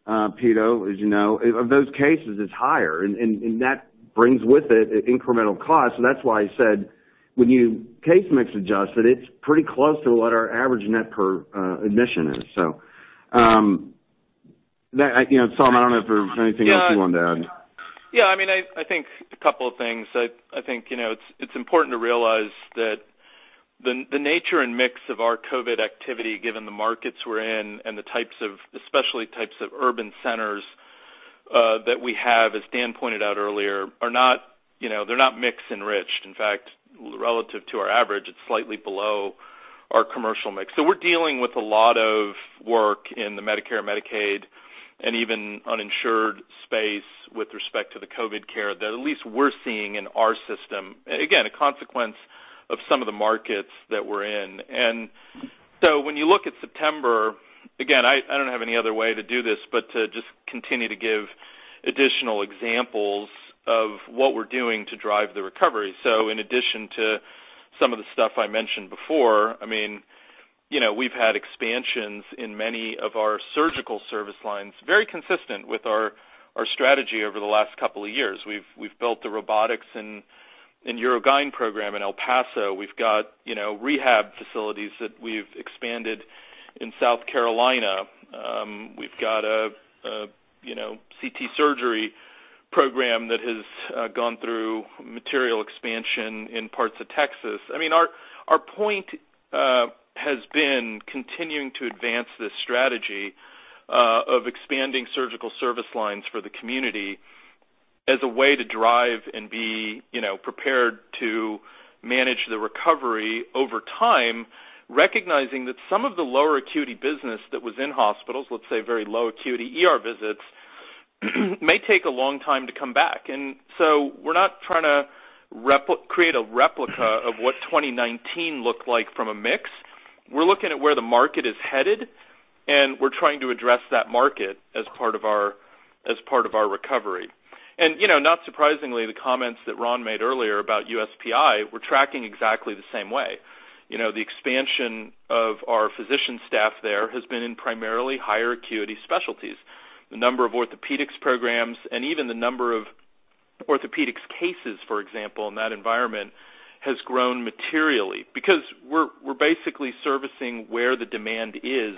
Pito, as you know, of those cases is higher, and that brings with it incremental cost. That's why I said, when you case mix adjust it's pretty close to what our average net per admission is. Saum, I don't know if there's anything else you wanted to add. Yeah, I think a couple of things. I think it's important to realize that the nature and mix of our COVID activity, given the markets we're in and the especially types of urban centers that we have, as Dan pointed out earlier, they're not mix enriched. In fact, relative to our average, it's slightly below our commercial mix. We're dealing with a lot of work in the Medicare, Medicaid, and even uninsured space with respect to the COVID care that at least we're seeing in our system. Again, a consequence of some of the markets that we're in. When you look at September, again, I don't have any other way to do this but to just continue to give additional examples of what we're doing to drive the recovery. In addition to some of the stuff I mentioned before, we've had expansions in many of our surgical service lines, very consistent with our strategy over the last couple of years. We've built the robotics and urogyn program in El Paso. We've got rehab facilities that we've expanded in South Carolina. We've got a CT surgery program that has gone through material expansion in parts of Texas. Our point has been continuing to advance this strategy of expanding surgical service lines for the community as a way to drive and be prepared to manage the recovery over time, recognizing that some of the lower acuity business that was in hospitals, let's say very low acuity ER visits, may take a long time to come back. We're not trying to create a replica of what 2019 looked like from a mix. We're looking at where the market is headed. We're trying to address that market as part of our recovery. Not surprisingly, the comments that Ron made earlier about USPI, we're tracking exactly the same way. The expansion of our physician staff there has been in primarily higher acuity specialties. The number of orthopedics programs and even the number of orthopedics cases, for example, in that environment, has grown materially because we're basically servicing where the demand is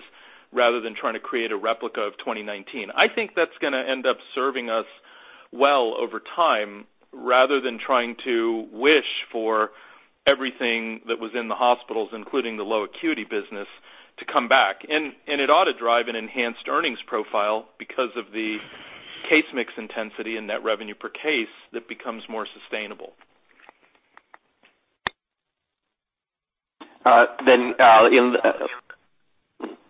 rather than trying to create a replica of 2019. I think that's going to end up serving us well over time rather than trying to wish for everything that was in the hospitals, including the low acuity business, to come back. It ought to drive an enhanced earnings profile because of the case mix intensity and net revenue per case that becomes more sustainable.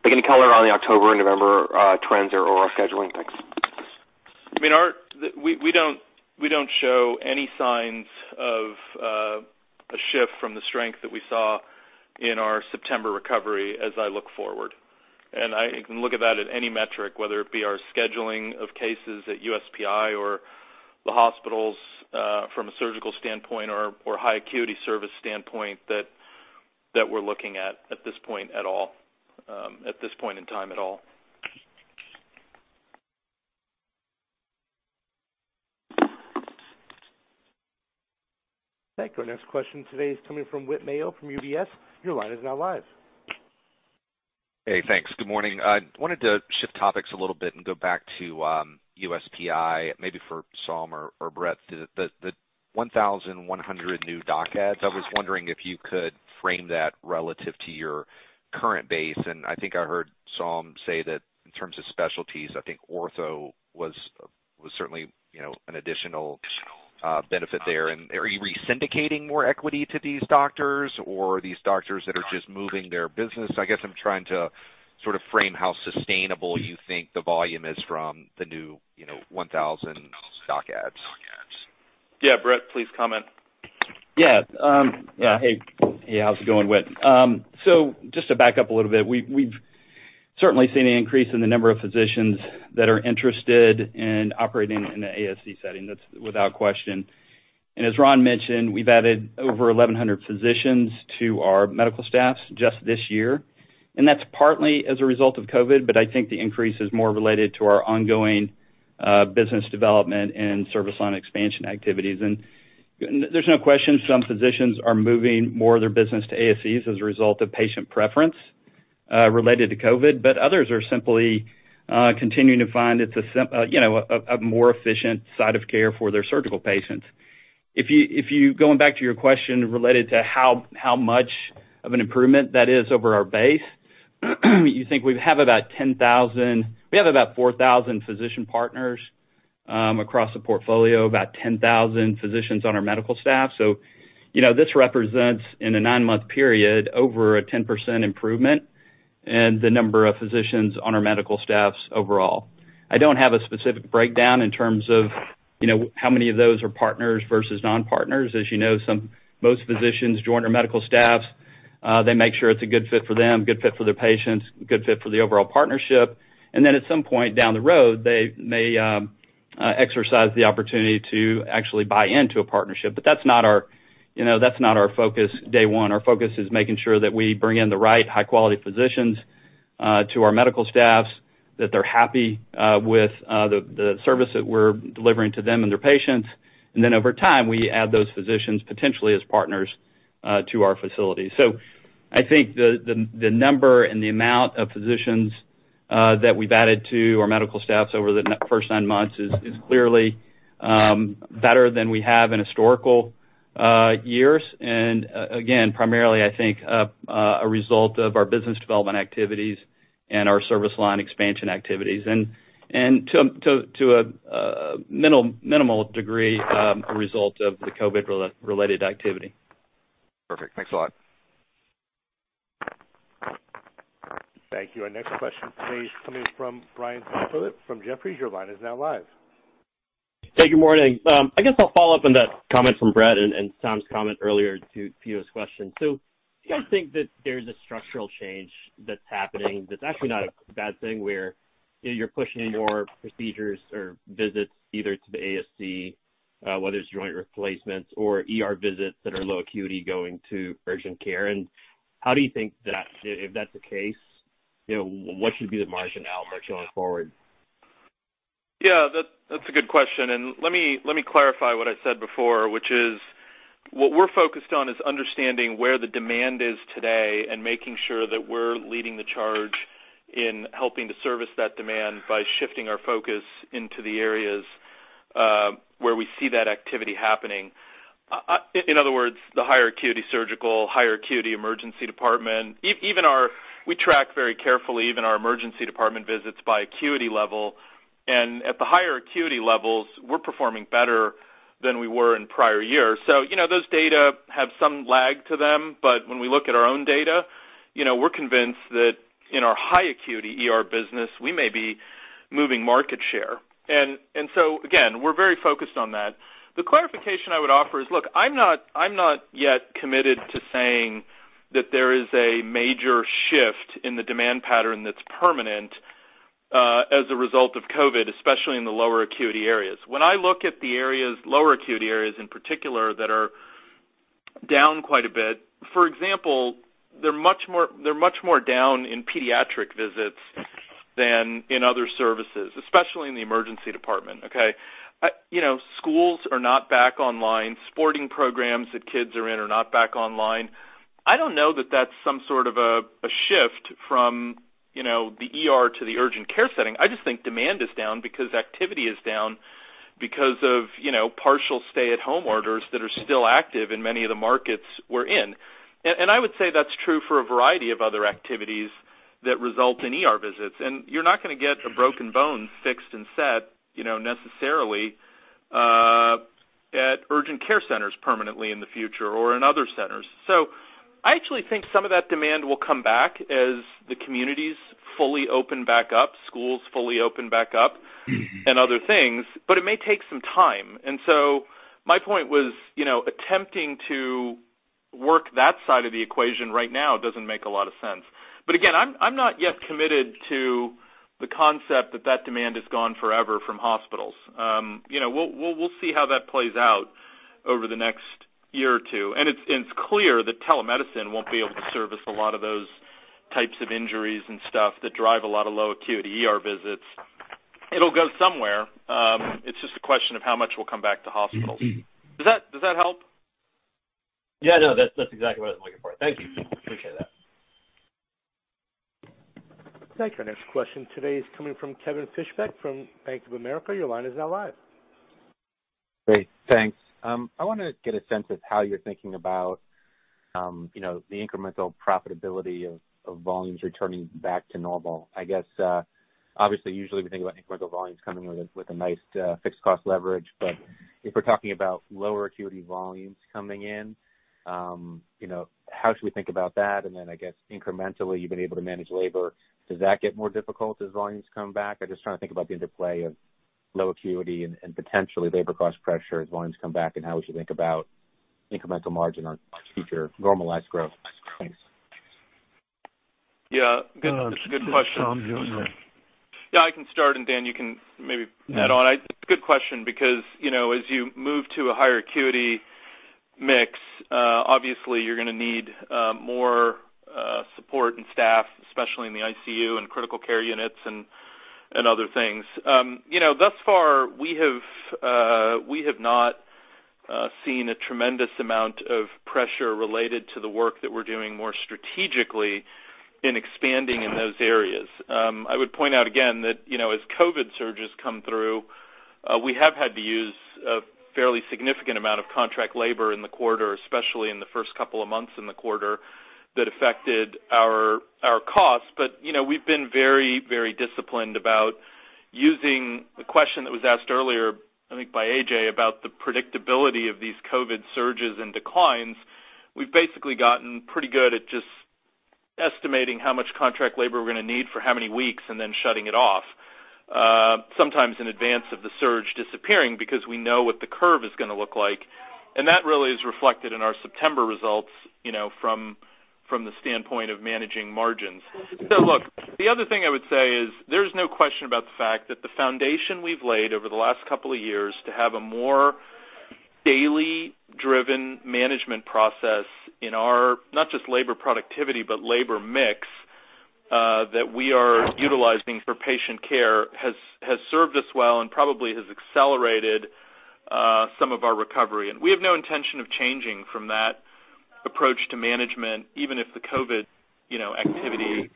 Any color on the October and November trends or scheduling? Thanks. We don't show any signs of a shift from the strength that we saw in our September recovery as I look forward. I can look at that at any metric, whether it be our scheduling of cases at USPI or the hospitals from a surgical standpoint or high acuity service standpoint that we're looking at this point in time at all. Thank you. Our next question today is coming from Whit Mayo from UBS. Your line is now live. Hey, thanks. Good morning. I wanted to shift topics a little bit and go back to USPI, maybe for Saum or Brett, the 1,100 new doc adds. I was wondering if you could frame that relative to your current base, and I think I heard Saum say that in terms of specialties, I think ortho was certainly an additional benefit there. Are you re-syndicating more equity to these doctors or these doctors that are just moving their business? I guess I'm trying to frame how sustainable you think the volume is from the new 1,100 doc adds? Yeah, Brett, please comment. Yeah. Hey, how's it going, Whit? Just to back up a little bit, we've certainly seen an increase in the number of physicians that are interested in operating in the ASC setting, that's without question. As Ron mentioned, we've added over 1,100 physicians to our medical staffs just this year, and that's partly as a result of COVID, but I think the increase is more related to our ongoing business development and service line expansion activities. There's no question some physicians are moving more of their business to ASCs as a result of patient preference related to COVID, but others are simply continuing to find it's a more efficient site of care for their surgical patients. If you, going back to your question related to how much of an improvement that is over our base, you think we have about 4,000 physician partners across the portfolio, about 10,000 physicians on our medical staff. This represents, in a nine-month period, over a 10% improvement. And the number of physicians on our medical staffs overall. I don't have a specific breakdown in terms of how many of those are partners versus non-partners. As you know, most physicians join our medical staffs, they make sure it's a good fit for them, good fit for their patients, good fit for the overall partnership, and then at some point down the road, they may exercise the opportunity to actually buy into a partnership. That's not our focus day one. Our focus is making sure that we bring in the right high-quality physicians to our medical staffs, that they're happy with the service that we're delivering to them and their patients. Over time, we add those physicians potentially as partners to our facilities. I think the number and the amount of physicians that we've added to our medical staffs over the first nine months is clearly better than we have in historical years. Again, primarily, I think, a result of our business development activities and our service line expansion activities. To a minimal degree, a result of the COVID-related activity. Perfect. Thanks a lot. Thank you. Our next question today is coming from Brian Tanquilut from Jefferies. Your line is now live. Hey, good morning. I guess I'll follow up on that comment from Brett and Saum's comment earlier to Pito's question. Do you guys think that there's a structural change that's happening that's actually not a bad thing, where you're pushing more procedures or visits either to the ASC, whether it's joint replacements or ER visits that are low acuity going to urgent care? How do you think that, if that's the case, what should be the margin outlook going forward? Yeah, that's a good question. Let me clarify what I said before, which is, what we're focused on is understanding where the demand is today and making sure that we're leading the charge in helping to service that demand by shifting our focus into the areas where we see that activity happening, in other words, the higher acuity surgical, higher acuity emergency department. We track very carefully even our emergency department visits by acuity level. At the higher acuity levels, we're performing better than we were in prior years. Those data have some lag to them. When we look at our own data, we're convinced that in our high acuity ER business, we may be moving market share. Again, we're very focused on that. The clarification I would offer is, look, I'm not yet committed to saying that there is a major shift in the demand pattern that's permanent as a result of COVID, especially in the lower acuity areas. When I look at the areas, lower acuity areas in particular, that are down quite a bit. For example, they're much more down in pediatric visits than in other services, especially in the emergency department, okay? Schools are not back online. Sporting programs that kids are in are not back online. I don't know that that's some sort of a shift from the ER to the urgent care setting. I just think demand is down because activity is down because of partial stay-at-home orders that are still active in many of the markets we're in. I would say that's true for a variety of other activities that result in ER visits. You're not going to get a broken bone fixed and set necessarily at urgent care centers permanently in the future or in other centers. I actually think some of that demand will come back as the communities fully open back up, schools fully open back up. Other things, but it may take some time. My point was attempting to work that side of the equation right now doesn't make a lot of sense. Again, I'm not yet committed to the concept that demand is gone forever from hospitals. We'll see how that plays out over the next year or two. It's clear that telemedicine won't be able to service a lot of those types of injuries and stuff that drive a lot of low acuity ER visits. It'll go somewhere. It's just a question of how much will come back to hospitals. Does that help? Yeah, no, that's exactly what I was looking for. Thank you. Appreciate that. Thank you. Our next question today is coming from Kevin Fischbeck from Bank of America. Your line is now live. Great. Thanks. I want to get a sense of how you're thinking about the incremental profitability of volumes returning back to normal. I guess, obviously, usually we think about incremental volumes coming with a nice fixed cost leverage. If we're talking about lower acuity volumes coming in, how should we think about that? I guess incrementally, you've been able to manage labor. Does that get more difficult as volumes come back? I'm just trying to think about the interplay of low acuity and potentially labor cost pressure as volumes come back, and how we should think about incremental margin on future normalized growth. Thanks. Yeah. That's a good question. Saum, do you want to- Yeah, I can start, and Dan, you can maybe add on. It's a good question because, as you move to a higher acuity mix, obviously you're going to need more support and staff, especially in the ICU and critical care units and other things. Thus far, we have not seen a tremendous amount of pressure related to the work that we're doing more strategically in expanding in those areas. I would point out again that as COVID surges come through, we have had to use a fairly significant amount of contract labor in the quarter, especially in the first couple of months in the quarter, that affected our costs. We've been very disciplined about Using the question that was asked earlier, I think by A.J., about the predictability of these COVID surges and declines, we've basically gotten pretty good at just estimating how much contract labor we're going to need for how many weeks, and then shutting it off, sometimes in advance of the surge disappearing, because we know what the curve is going to look like. That really is reflected in our September results, from the standpoint of managing margins. Look, the other thing I would say is, there's no question about the fact that the foundation we've laid over the last couple of years to have a more daily-driven management process in our, not just labor productivity, but labor mix, that we are utilizing for patient care has served us well, and probably has accelerated some of our recovery. We have no intention of changing from that approach to management, even if the COVID activity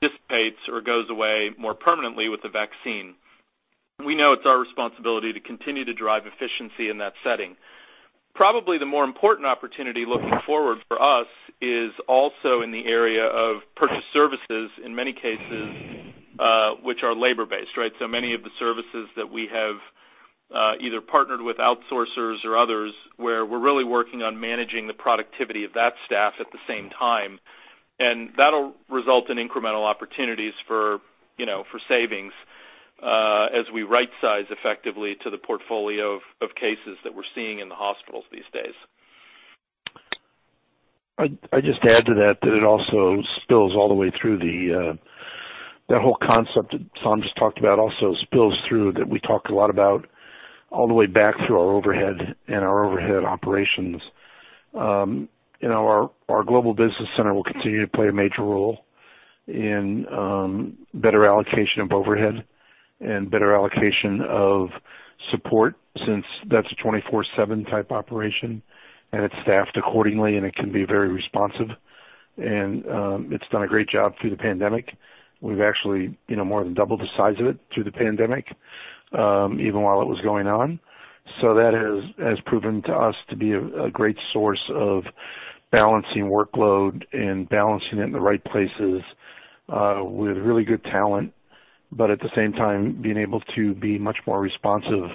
dissipates or goes away more permanently with the vaccine. We know it's our responsibility to continue to drive efficiency in that setting. Probably the more important opportunity looking forward for us is also in the area of purchased services, in many cases, which are labor-based, right? Many of the services that we have either partnered with outsourcers or others, where we're really working on managing the productivity of that staff at the same time. That'll result in incremental opportunities for savings, as we right-size effectively to the portfolio of cases that we're seeing in the hospitals these days. I'd just add to that whole concept that Saum just talked about also spills through, that we talked a lot about all the way back through our overhead and our overhead operations. Our global business center will continue to play a major role in better allocation of overhead and better allocation of support, since that's a 24/7 type operation, and it's staffed accordingly, and it can be very responsive. It's done a great job through the pandemic. We've actually more than doubled the size of it through the pandemic, even while it was going on. That has proven to us to be a great source of balancing workload and balancing it in the right places, with really good talent. At the same time, being able to be much more responsive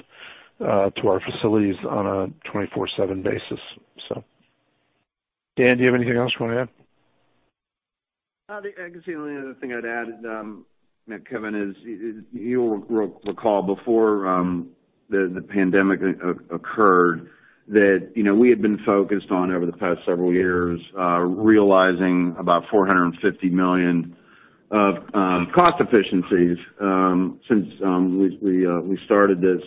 to our facilities on a 24/7 basis. Dan, do you have anything else you want to add? The only other thing I'd add, Kevin, is you'll recall before the pandemic occurred, that we had been focused on, over the past several years, realizing about $450 million of cost efficiencies since we started this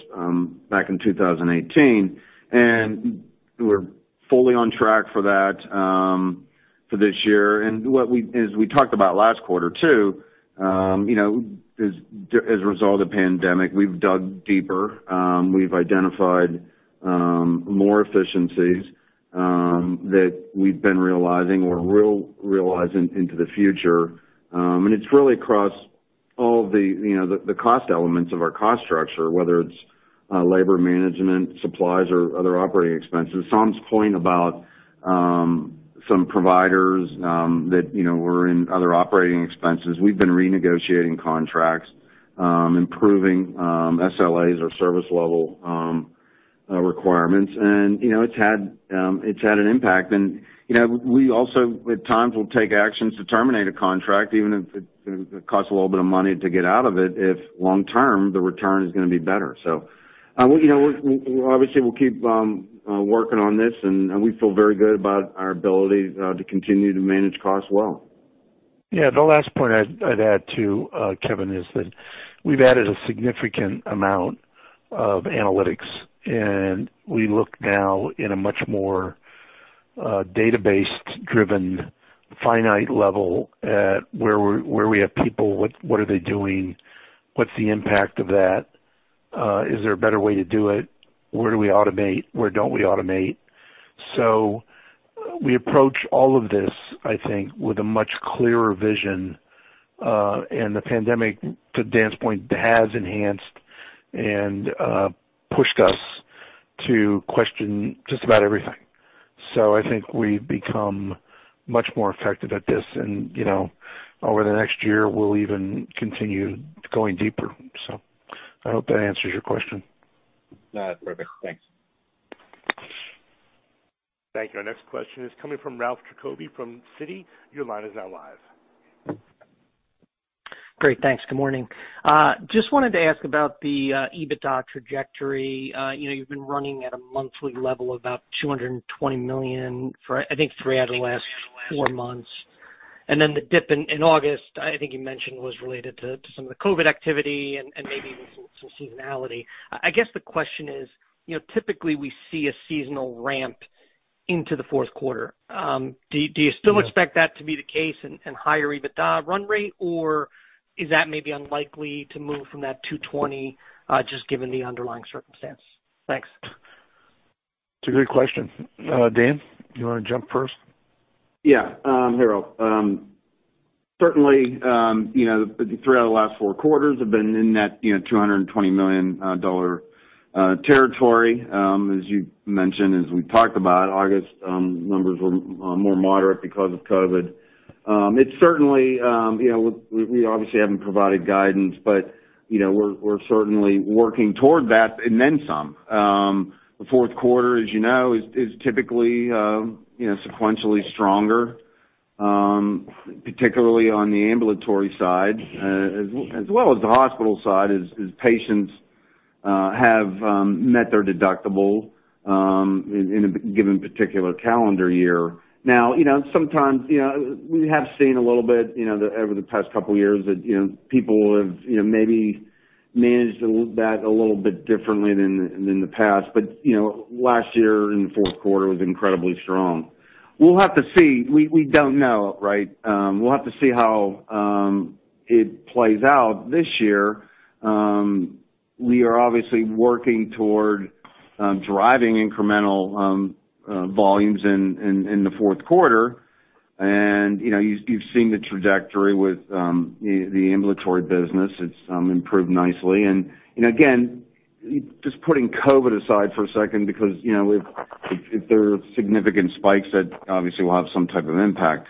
back in 2018. We're fully on track for that for this year. As we talked about last quarter too, as a result of the pandemic, we've dug deeper. We've identified more efficiencies that we've been realizing or will realize into the future. It's really across all the cost elements of our cost structure, whether it's labor management, supplies, or other operating expenses. Saum's point about some providers that were in other operating expenses. We've been renegotiating contracts, improving SLAs or service level requirements, and it's had an impact. We also, at times, will take actions to terminate a contract, even if it costs a little bit of money to get out of it, if long-term, the return is going to be better. Obviously, we'll keep working on this, and we feel very good about our ability to continue to manage costs well. Yeah. The last point I'd add too, Kevin, is that we've added a significant amount of analytics, and we look now in a much more database-driven, finite level at where we have people, what are they doing, what's the impact of that? Is there a better way to do it? Where do we automate? Where don't we automate? We approach all of this, I think, with a much clearer vision. The pandemic, to Dan's point, has enhanced and pushed us to question just about everything. I think we've become much more effective at this, and over the next year, we'll even continue going deeper. I hope that answers your question. Yeah. Perfect. Thanks. Thank you. Our next question is coming from Ralph Giacobbe from Citi. Your line is now live. Great. Thanks. Good morning. Just wanted to ask about the EBITDA trajectory. You've been running at a monthly level of about $220 million for, I think, three out of the last four months. The dip in August, I think you mentioned, was related to some of the COVID activity and maybe even some seasonality. I guess the question is, typically we see a seasonal ramp into the fourth quarter. Do you still expect that to be the case and higher EBITDA run rate, or is that maybe unlikely to move from that $220 million, just given the underlying circumstance? Thanks. It's a great question. Dan, do you want to jump first? Yeah. Hey Ralph. Certainly throughout the last four quarters have been in that $220 million territory, as you mentioned, as we talked about, August numbers were more moderate because of COVID. We obviously haven't provided guidance, but we're certainly working toward that and then some. The fourth quarter, as you know, is typically sequentially stronger, particularly on the ambulatory side, as well as the hospital side, as patients have met their deductible in a given particular calendar year. Sometimes, we have seen a little bit over the past couple of years that people have maybe managed that a little bit differently than in the past. Last year in the fourth quarter was incredibly strong. We'll have to see. We don't know, right? We'll have to see how it plays out this year. We are obviously working toward driving incremental volumes in the fourth quarter. You've seen the trajectory with the ambulatory business. It's improved nicely. Again, just putting COVID aside for a second, because if there are significant spikes that obviously will have some type of impact.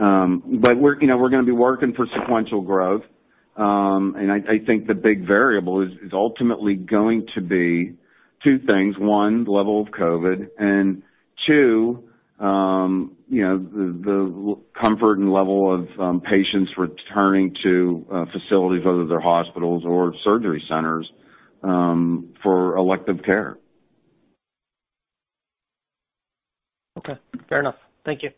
We're going to be working for sequential growth. I think the big variable is ultimately going to be two things. One, the level of COVID, and two, the comfort and level of patients returning to facilities, whether they're hospitals or surgery centers, for elective care. Okay. Fair enough. Thank you.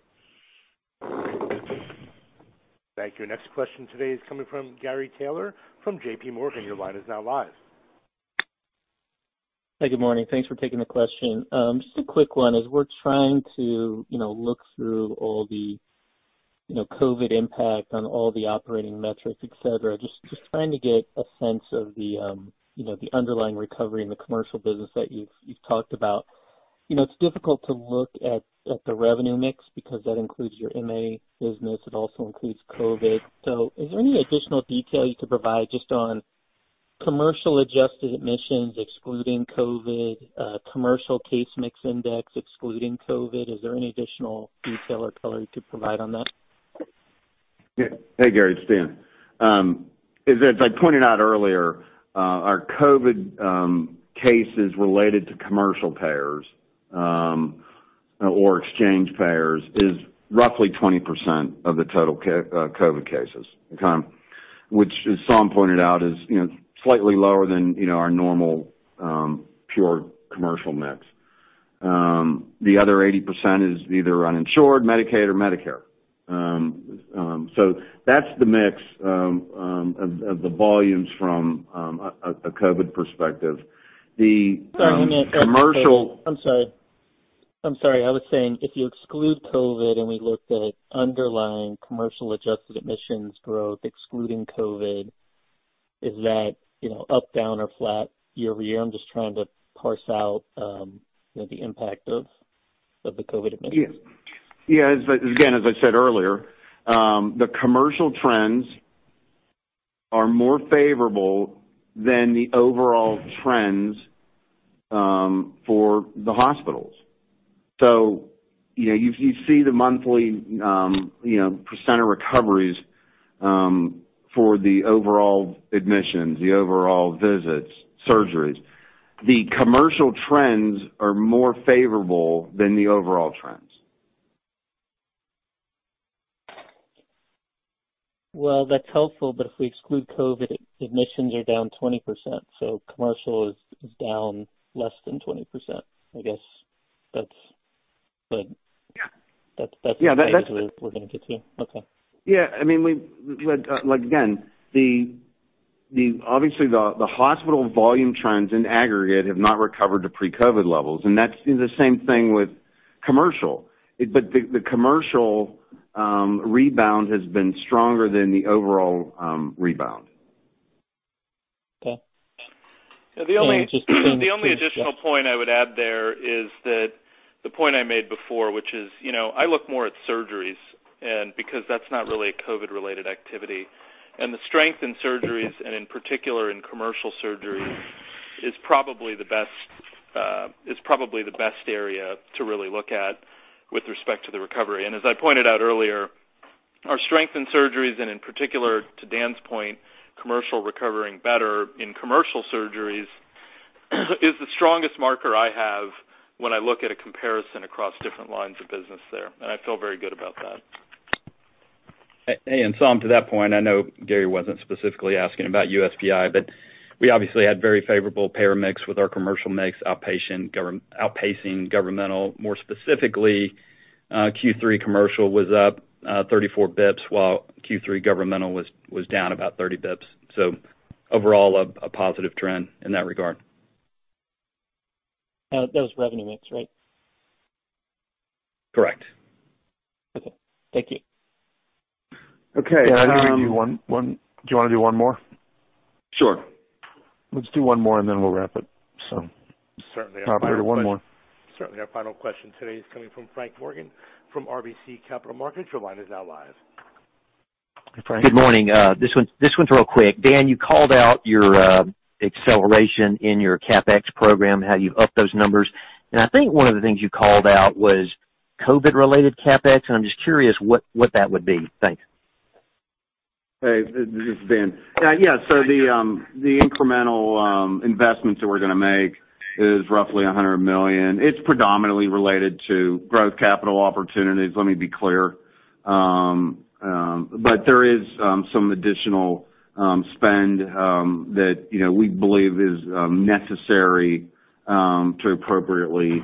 Thank you. Next question today is coming from Gary Taylor from JPMorgan. Your line is now live. Hey, good morning. Thanks for taking the question. Just a quick one. As we're trying to look through all the COVID impact on all the operating metrics, et cetera, just trying to get a sense of the underlying recovery in the commercial business that you've talked about. It's difficult to look at the revenue mix because that includes your MA business. It also includes COVID. Is there any additional detail you could provide just on commercial adjusted admissions excluding COVID, commercial case mix index excluding COVID? Is there any additional detail or color you could provide on that? Hey, Gary, it's Dan. As I pointed out earlier, our COVID cases related to commercial payers or exchange payers is roughly 20% of the total COVID cases, which, as Saum pointed out, is slightly lower than our normal pure commercial mix. The other 80% is either uninsured, Medicaid or Medicare. That's the mix of the volumes from a COVID perspective. I'm sorry. I was saying, if you exclude COVID, and we looked at underlying commercial adjusted admissions growth excluding COVID, is that up, down or flat year-over-year? I'm just trying to parse out the impact of the COVID admissions. Yeah. Again, as I said earlier, the commercial trends are more favorable than the overall trends for the hospitals. You see the monthly percent of recoveries for the overall admissions, the overall visits, surgeries. The commercial trends are more favorable than the overall trends. Well, that's helpful, but if we exclude COVID, admissions are down 20%, so commercial is down less than 20%. I guess that's basically what we're going to get to. Okay. Again, obviously, the hospital volume trends in aggregate have not recovered to pre-COVID levels, and that's the same thing with commercial. The commercial rebound has been stronger than the overall rebound. Okay. The only additional point I would add there is that the point I made before, which is, I look more at surgeries, and because that's not really a COVID-related activity, and the strength in surgeries, and in particular in commercial surgeries, is probably the best area to really look at with respect to the recovery. As I pointed out earlier, our strength in surgeries and in particular, to Dan's point, commercial recovering better in commercial surgeries is the strongest marker I have when I look at a comparison across different lines of business there, and I feel very good about that. Hey, and Saum, to that point, I know Gary wasn't specifically asking about USPI, but we obviously had very favorable payer mix with our commercial mix outpacing governmental. More specifically, Q3 commercial was up 34 basis points, while Q3 governmental was down about 30 basis points. Overall, a positive trend in that regard. That was revenue mix, right? Correct. Okay. Thank you. Okay. Do you want to do one more? Sure. Let's do one more, and then we'll wrap it. Operator, one more. Certainly. Our final question today is coming from Frank Morgan from RBC Capital Markets. Your line is now live. Hi, Frank. Good morning. This one's real quick. Dan, you called out your acceleration in your CapEx program, how you've upped those numbers, and I think one of the things you called out was COVID-related CapEx, and I'm just curious what that would be. Thanks. Hey, this is Dan. Yeah. The incremental investments that we're going to make is roughly $100 million. It's predominantly related to growth capital opportunities, let me be clear. There is some additional spend that we believe is necessary to appropriately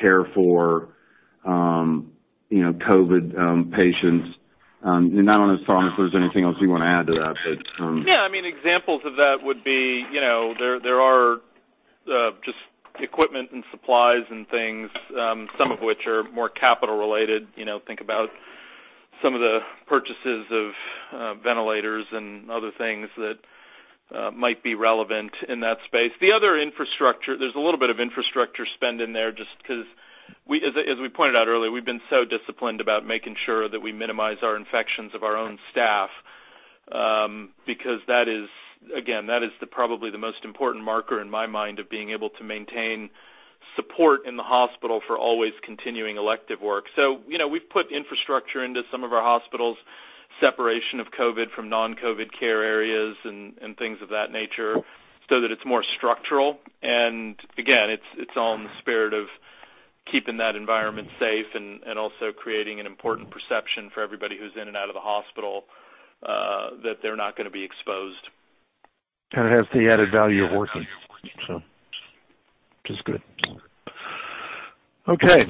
care for COVID patients. I don't know, Saum, if there's anything else you want to add to that? Yeah. Examples of that would be, there are just equipment and supplies and things, some of which are more capital related. Think about some of the purchases of ventilators and other things that might be relevant in that space. The other infrastructure, there's a little bit of infrastructure spend in there just because, as we pointed out earlier, we've been so disciplined about making sure that we minimize our infections of our own staff because that is, again, that is probably the most important marker in my mind of being able to maintain support in the hospital for always continuing elective work. We've put infrastructure into some of our hospitals, separation of COVID from non-COVID care areas and things of that nature so that it's more structural. Again, it's all in the spirit of keeping that environment safe and also creating an important perception for everybody who's in and out of the hospital that they're not going to be exposed. It has the added value of working, which is good. Okay.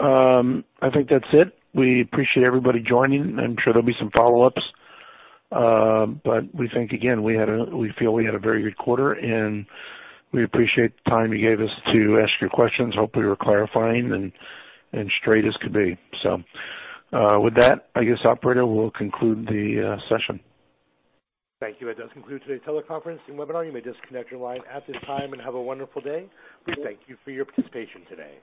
I think that's it. We appreciate everybody joining. I am sure there will be some follow-ups. We think, again, we feel we had a very good quarter, and we appreciate the time you gave us to ask your questions. Hopefully, we are clarifying and straight as could be. With that, I guess operator, we will conclude the session. Thank you. That does conclude today's teleconference and webinar. You may disconnect your line at this time, and have a wonderful day. We thank you for your participation today.